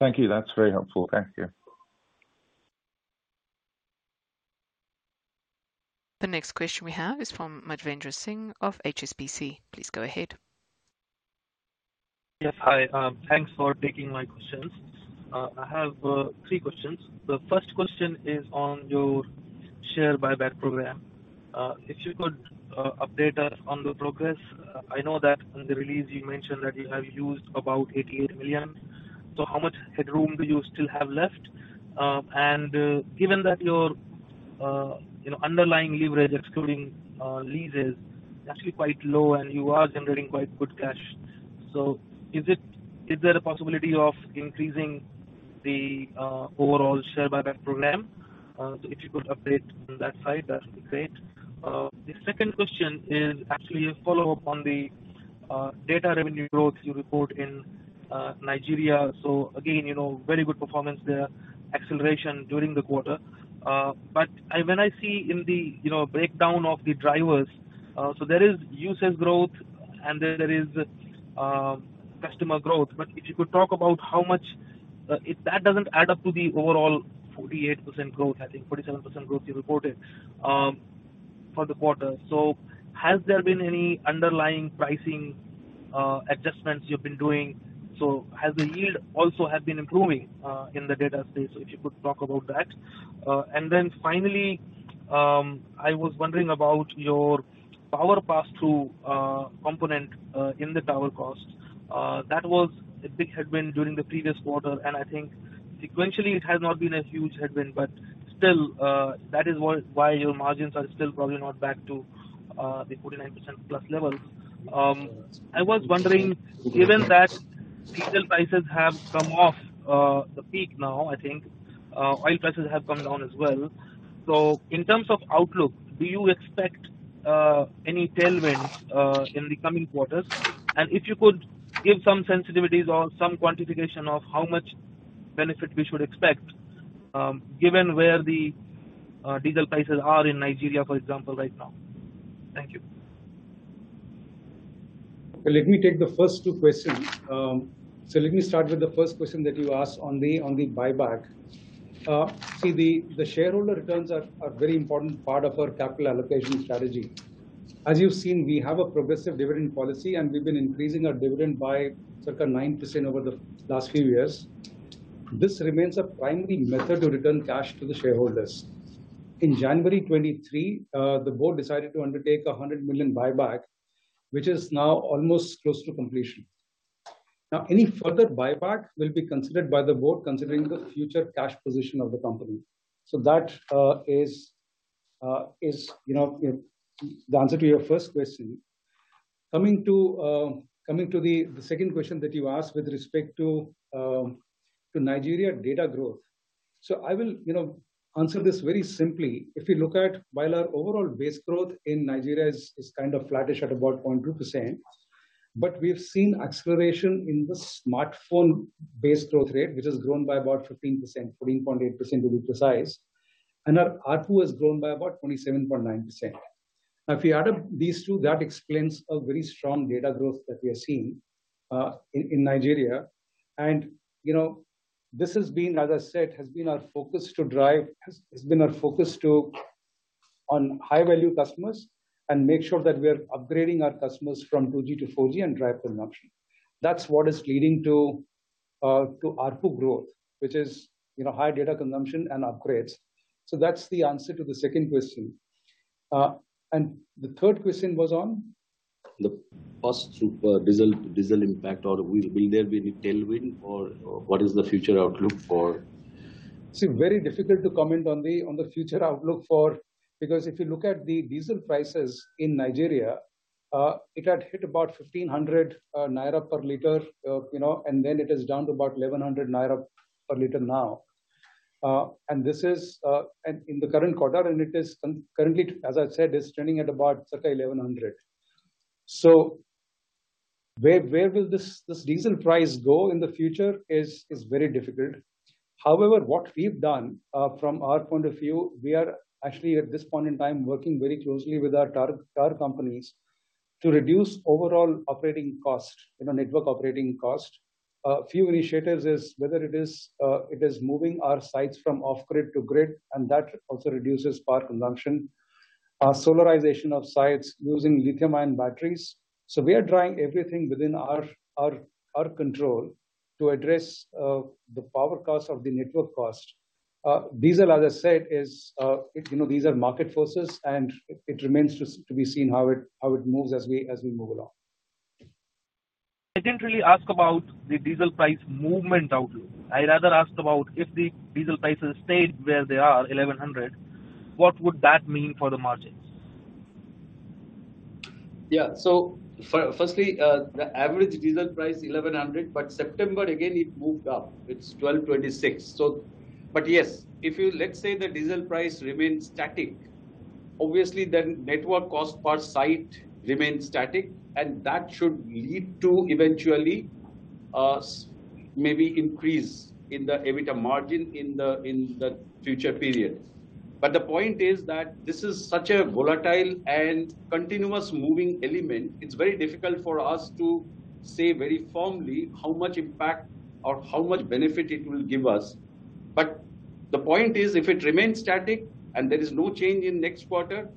Thank you. That's very helpful. Thank you. The next question we have is from Madhvendra Singh of HSBC. Please go ahead. Yes. Hi. Thanks for taking my questions. I have three questions. The first question is on your share buyback program. If you could update us on the progress. I know that in the release you mentioned that you have used about $88 million. So how much headroom do you still have left? And given that your you know underlying leverage, excluding leases, is actually quite low and you are generating quite good cash, so is it... Is there a possibility of increasing the overall share buyback program? So if you could update on that side, that'd be great. The second question is actually a follow-up on the data revenue growth you report in Nigeria. So again, you know, very good performance there, acceleration during the quarter. But when I see in the, you know, breakdown of the drivers, so there is usage growth and then there is customer growth. But if you could talk about how much, if that doesn't add up to the overall 48% growth, I think 47% growth you reported, for the quarter. So has there been any underlying pricing adjustments you've been doing? So has the yield also has been improving in the data space? So if you could talk about that. And then finally, I was wondering about your power pass-through component in the tower cost. That was a big headwind during the previous quarter, and I think sequentially, it has not been a huge headwind, but still, that is why your margins are still probably not back to the 49%+ level. I was wondering, given that diesel prices have come off the peak now, I think, oil prices have come down as well. So in terms of outlook, do you expect any tailwinds in the coming quarters? And if you could give some sensitivities or some quantification of how much benefit we should expect, given where the diesel prices are in Nigeria, for example, right now. Thank you. Let me take the first two questions. So let me start with the first question that you asked on the buyback. See, the shareholder returns are very important part of our capital allocation strategy. As you've seen, we have a progressive dividend policy, and we've been increasing our dividend by circa 9% over the last few years. This remains a primary method to return cash to the shareholders. In January 2023, the board decided to undertake a $100 million buyback, which is now almost close to completion. Now, any further buyback will be considered by the board, considering the future cash position of the company. So that is, you know, the answer to your first question. Coming to the second question that you asked with respect to Nigeria data growth. I will, you know, answer this very simply. If you look at while our overall base growth in Nigeria is kind of flattish at about 0.2%, but we have seen acceleration in the smartphone base growth rate, which has grown by about 15%, 14.8% to be precise, and our ARPU has grown by about 27.9%. Now, if you added these two, that explains a very strong data growth that we are seeing in Nigeria. And, you know, this has been, as I said, our focus to drive high-value customers and make sure that we are upgrading our customers from 2G to 4G and drive consumption. That's what is leading to ARPU growth, which is, you know, high data consumption and upgrades. That's the answer to the second question. And the third question was on? The cost to diesel impact or will there be any tailwind or what is the future outlook for? It's very difficult to comment on the future outlook for. Because if you look at the diesel prices in Nigeria, it had hit about 1,500 naira per liter, you know, and then it is down to about 1,100 naira per liter now. And this is and in the current quarter, and it is currently, as I said, is trending at about circa 1,100. So where will this diesel price go in the future is very difficult. However, what we've done, from our point of view, we are actually, at this point in time, working very closely with our tower companies to reduce overall operating cost, you know, network operating cost. Few initiatives is whether it is, it is moving our sites from off-grid to grid, and that also reduces power consumption. Solarization of sites using lithium-ion batteries. So we are trying everything within our control to address the power cost of the network cost. Diesel, as I said, is, you know, these are market forces, and it remains to be seen how it moves as we move along. I didn't really ask about the diesel price movement outlook. I rather asked about if the diesel prices stayed where they are, 1,100, what would that mean for the margins? Yeah. So firstly, the average diesel price is 1,100, but September, again, it moved up. It's 1,226. But yes, if you, let's say, the diesel price remains static, obviously, then network cost per site remains static, and that should lead to eventually, maybe increase in the EBITDA margin in the future period. But the point is that this is such a volatile and continuous moving element, it's very difficult for us to say very firmly how much impact or how much benefit it will give us. But the point is, if it remains static and there is no change in next quarter,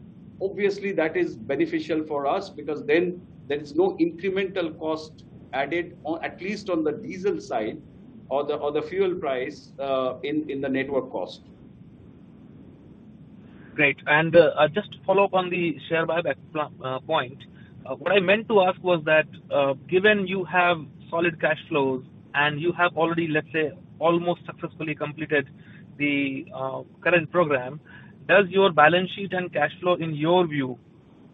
obviously that is beneficial for us because then there is no incremental cost added on, at least on the diesel side or the fuel price in the network cost. Great. And just to follow up on the share buyback point. What I meant to ask was that, given you have solid cash flows and you have already, let's say, almost successfully completed the current program, does your balance sheet and cash flow, in your view,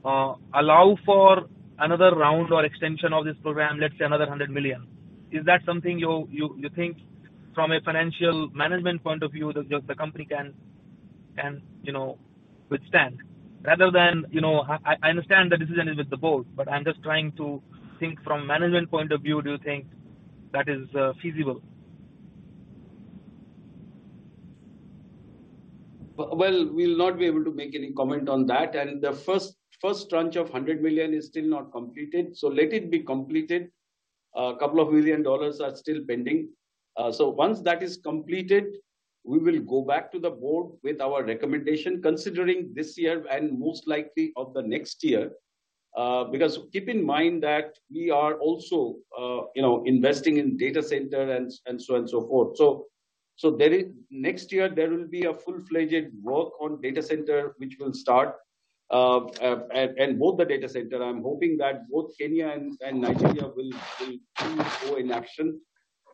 allow for another round or extension of this program, let's say another $100 million? Is that something you think from a financial management point of view, the company can, you know, withstand? Rather than, you know, I understand the decision is with the board, but I'm just trying to think from management point of view, do you think that is feasible? We'll not be able to make any comment on that. The first tranche of $100 million is still not completed, so let it be completed. A couple of million dollars are still pending. Once that is completed, we will go back to the board with our recommendation, considering this year and most likely of the next year. Keep in mind that we are also, you know, investing in data center and so on, so forth. Next year, there will be a full-fledged work on data center, which will start, and both the data center, I'm hoping that both Kenya and Nigeria will soon go in action.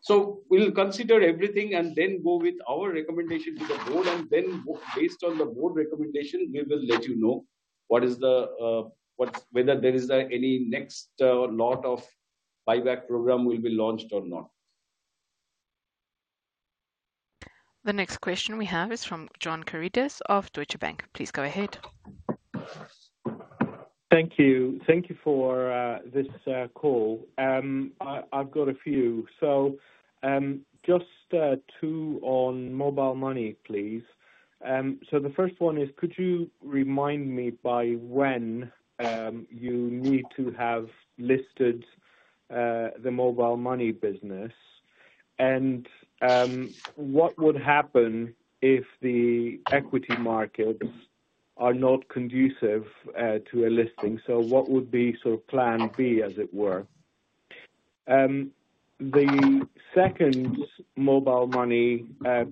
So we'll consider everything and then go with our recommendation to the board, and then based on the board recommendation, we will let you know whether there is any next lot of buyback program will be launched or not. The next question we have is from John Karidis of Deutsche Bank. Please go ahead. Thank you. Thank you for this call. I've got a few. So just two on mobile money, please. So the first one is, could you remind me by when you need to have listed the mobile money business? And what would happen if the equity markets are not conducive to a listing? So what would be sort of plan B, as it were? The second mobile money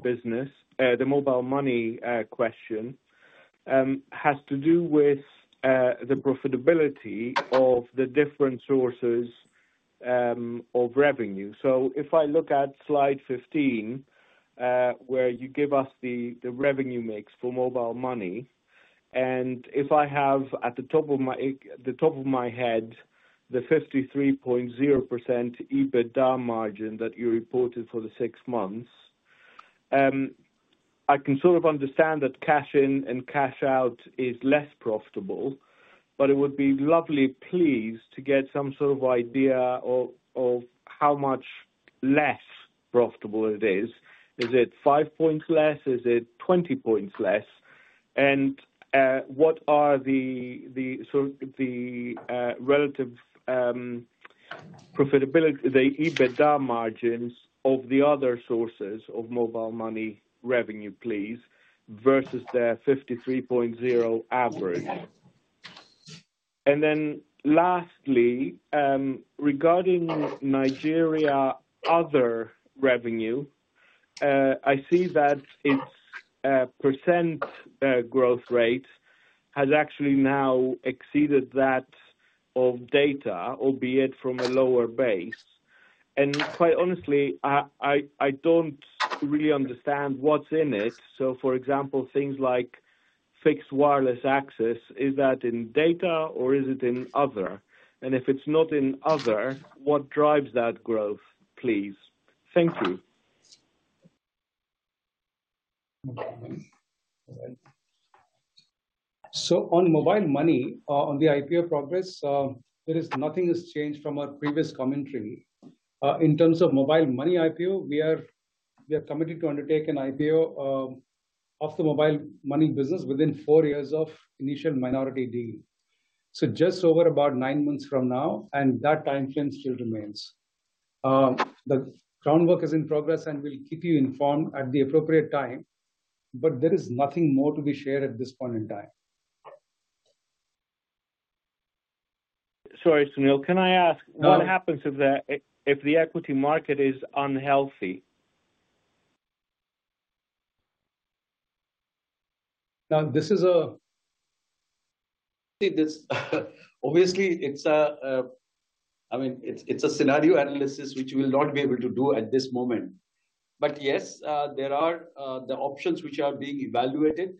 business, the mobile money question, has to do with the profitability of the different sources of revenue. So if I look at slide 15, where you give us the revenue mix for mobile money. And if I have at the top of my head, the 53.0% EBITDA margin that you reported for the six months, I can sort of understand that cash in and cash out is less profitable, but it would be lovely, please, to get some sort of idea of how much less profitable it is. Is it five points less? Is it 20 points less? And what are the relative profitability, the EBITDA margins of the other sources of mobile money revenue, please, versus their 53.0% average. And then lastly, regarding Nigeria other revenue, I see that its % growth rate has actually now exceeded that of data, albeit from a lower base. And quite honestly, I don't really understand what's in it. So, for example, things like fixed wireless access, is that in data or is it in other? And if it's not in other, what drives that growth, please? Thank you. On mobile money, on the IPO progress, there is nothing has changed from our previous commentary. In terms of mobile money IPO, we are committed to undertake an IPO of the mobile money business within four years of initial minority deal. Just over about nine months from now, and that timeframe still remains. The groundwork is in progress, and we'll keep you informed at the appropriate time, but there is nothing more to be shared at this point in time. Sorry, Sunil. Can I ask- [No]. What happens if the equity market is unhealthy? Now, see, obviously, I mean, it's a scenario analysis which we will not be able to do at this moment. But yes, there are the options which are being evaluated,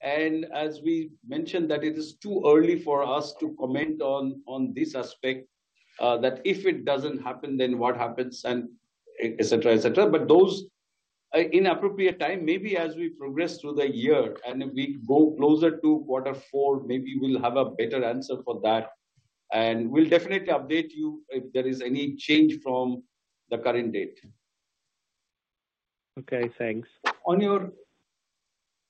and as we mentioned, that it is too early for us to comment on this aspect, that if it doesn't happen, then what happens, and et cetera, et cetera. But those in appropriate time, maybe as we progress through the year and we go closer to quarter four, maybe we'll have a better answer for that. And we'll definitely update you if there is any change from the current date. Okay, thanks. On your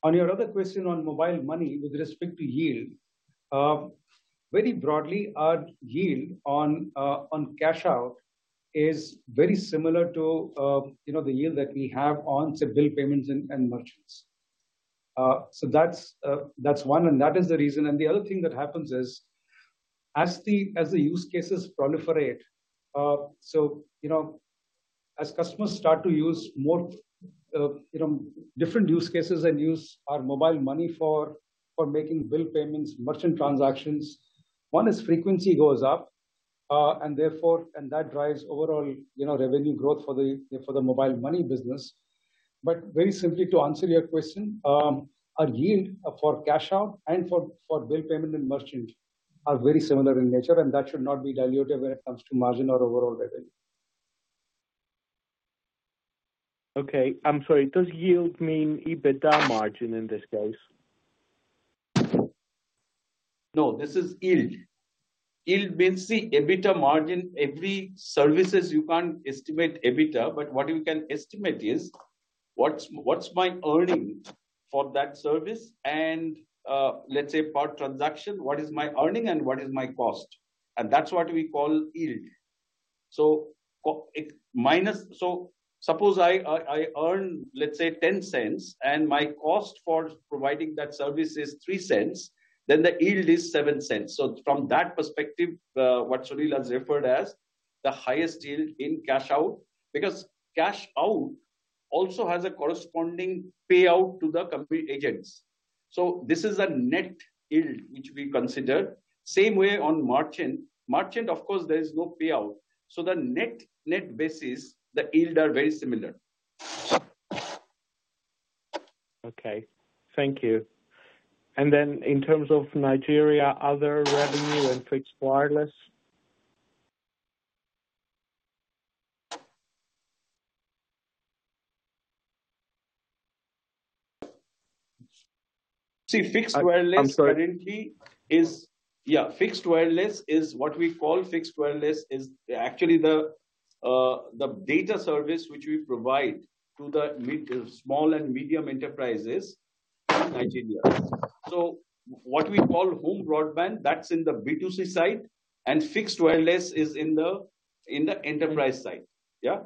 other question on mobile money with respect to yield, very broadly, our yield on cash out is very similar to, you know, the yield that we have on, say, bill payments and merchants. So that's one, and that is the reason. And the other thing that happens is, as the use cases proliferate, so, you know, as customers start to use more, you know, different use cases and use our mobile money for making bill payments, merchant transactions, one is frequency goes up, and therefore... and that drives overall, you know, revenue growth for the mobile money business. But very simply, to answer your question, our yield for cash out and for bill payment and merchant are very similar in nature, and that should not be dilutive when it comes to margin or overall revenue. Okay. I'm sorry, does yield mean EBITDA margin in this case? No, this is yield. Yield means the EBITDA margin. Every services, you can't estimate EBITDA, but what you can estimate is what's my earning for that service and, let's say, per transaction, what is my earning and what is my cost? And that's what we call yield. So suppose I earn, let's say, $0.10, and my cost for providing that service is $0.03, then the yield is $0.07. So from that perspective, what Sunil has referred as the highest yield in cash out, because cash out also has a corresponding payout to the company agents. So this is a net yield which we consider. Same way on merchant. Merchant, of course, there is no payout, so the net basis, the yield are very similar. Okay. Thank you. And then in terms of Nigeria, other revenue and fixed wireless? See, fixed wireless- I'm sorry. Yeah, fixed wireless is, what we call fixed wireless is actually the data service which we provide to the mid, small and medium enterprises in Nigeria. So what we call home broadband, that's in the B2C side, and fixed wireless is in the enterprise side. Yeah?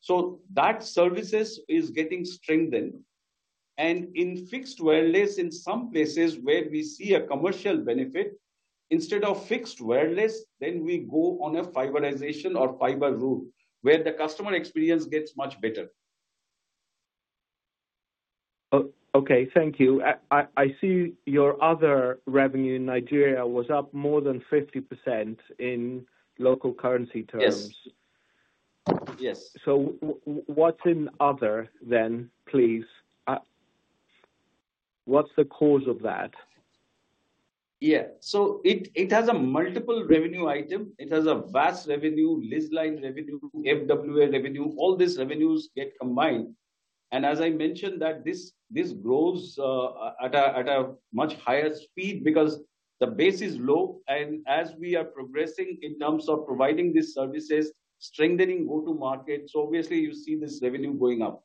So that services is getting strengthened. And in fixed wireless, in some places where we see a commercial benefit, instead of fixed wireless, then we go on a fiberization or fiber route, where the customer experience gets much better. Oh, okay. Thank you. I see your other revenue in Nigeria was up more than 50% in local currency terms. Yes. Yes. What's in other than, please? What's the cause of that? Yeah. So it has a multiple revenue item. It has a VAS revenue, Leased Line revenue, FWA revenue, all these revenues get combined. And as I mentioned that this grows at a much higher speed because the base is low, and as we are progressing in terms of providing these services, strengthening go-to-market, so obviously you see this revenue going up.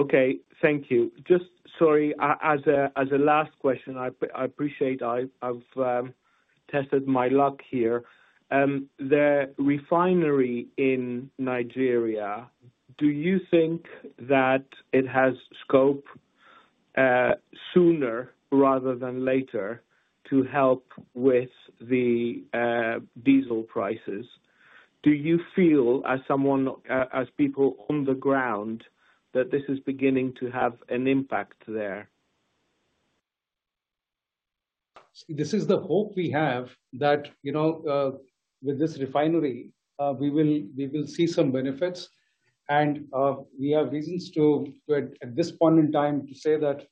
Okay, thank you. Just sorry, as a last question, I appreciate I've tested my luck here. The refinery in Nigeria, do you think that it has scope sooner rather than later to help with the diesel prices? Do you feel as someone, as people on the ground, that this is beginning to have an impact there? This is the hope we have, that, you know, with this refinery, we will see some benefits, and we have reasons to, at this point in time, to say that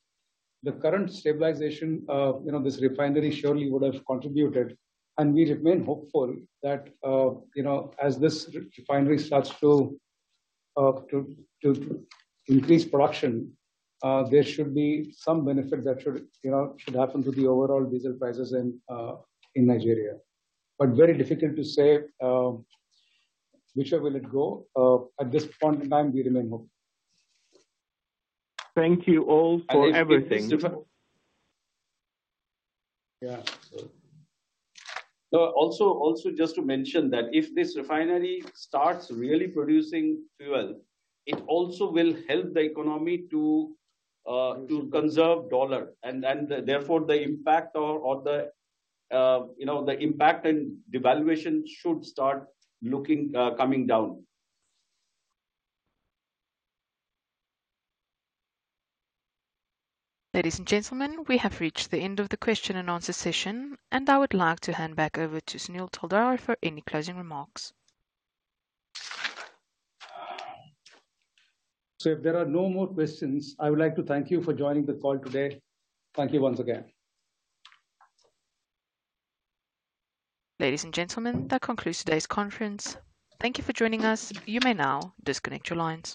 the current stabilization of, you know, this refinery surely would have contributed, and we remain hopeful that, you know, as this refinery starts to increase production, there should be some benefit that should, you know, happen to the overall diesel prices in Nigeria, but very difficult to say which way will it go. At this point in time, we remain hopeful. Thank you all for everything. Yeah. Also, also just to mention that if this refinery starts really producing fuel, it also will help the economy to, to conserve dollar. And, and therefore, the impact or, or the, you know, the impact and devaluation should start looking, coming down. Ladies and gentlemen, we have reached the end of the question and answer session, and I would like to hand back over to Sunil Taldar for any closing remarks. So if there are no more questions, I would like to thank you for joining the call today. Thank you once again. Ladies and gentlemen, that concludes today's conference. Thank you for joining us. You may now disconnect your lines.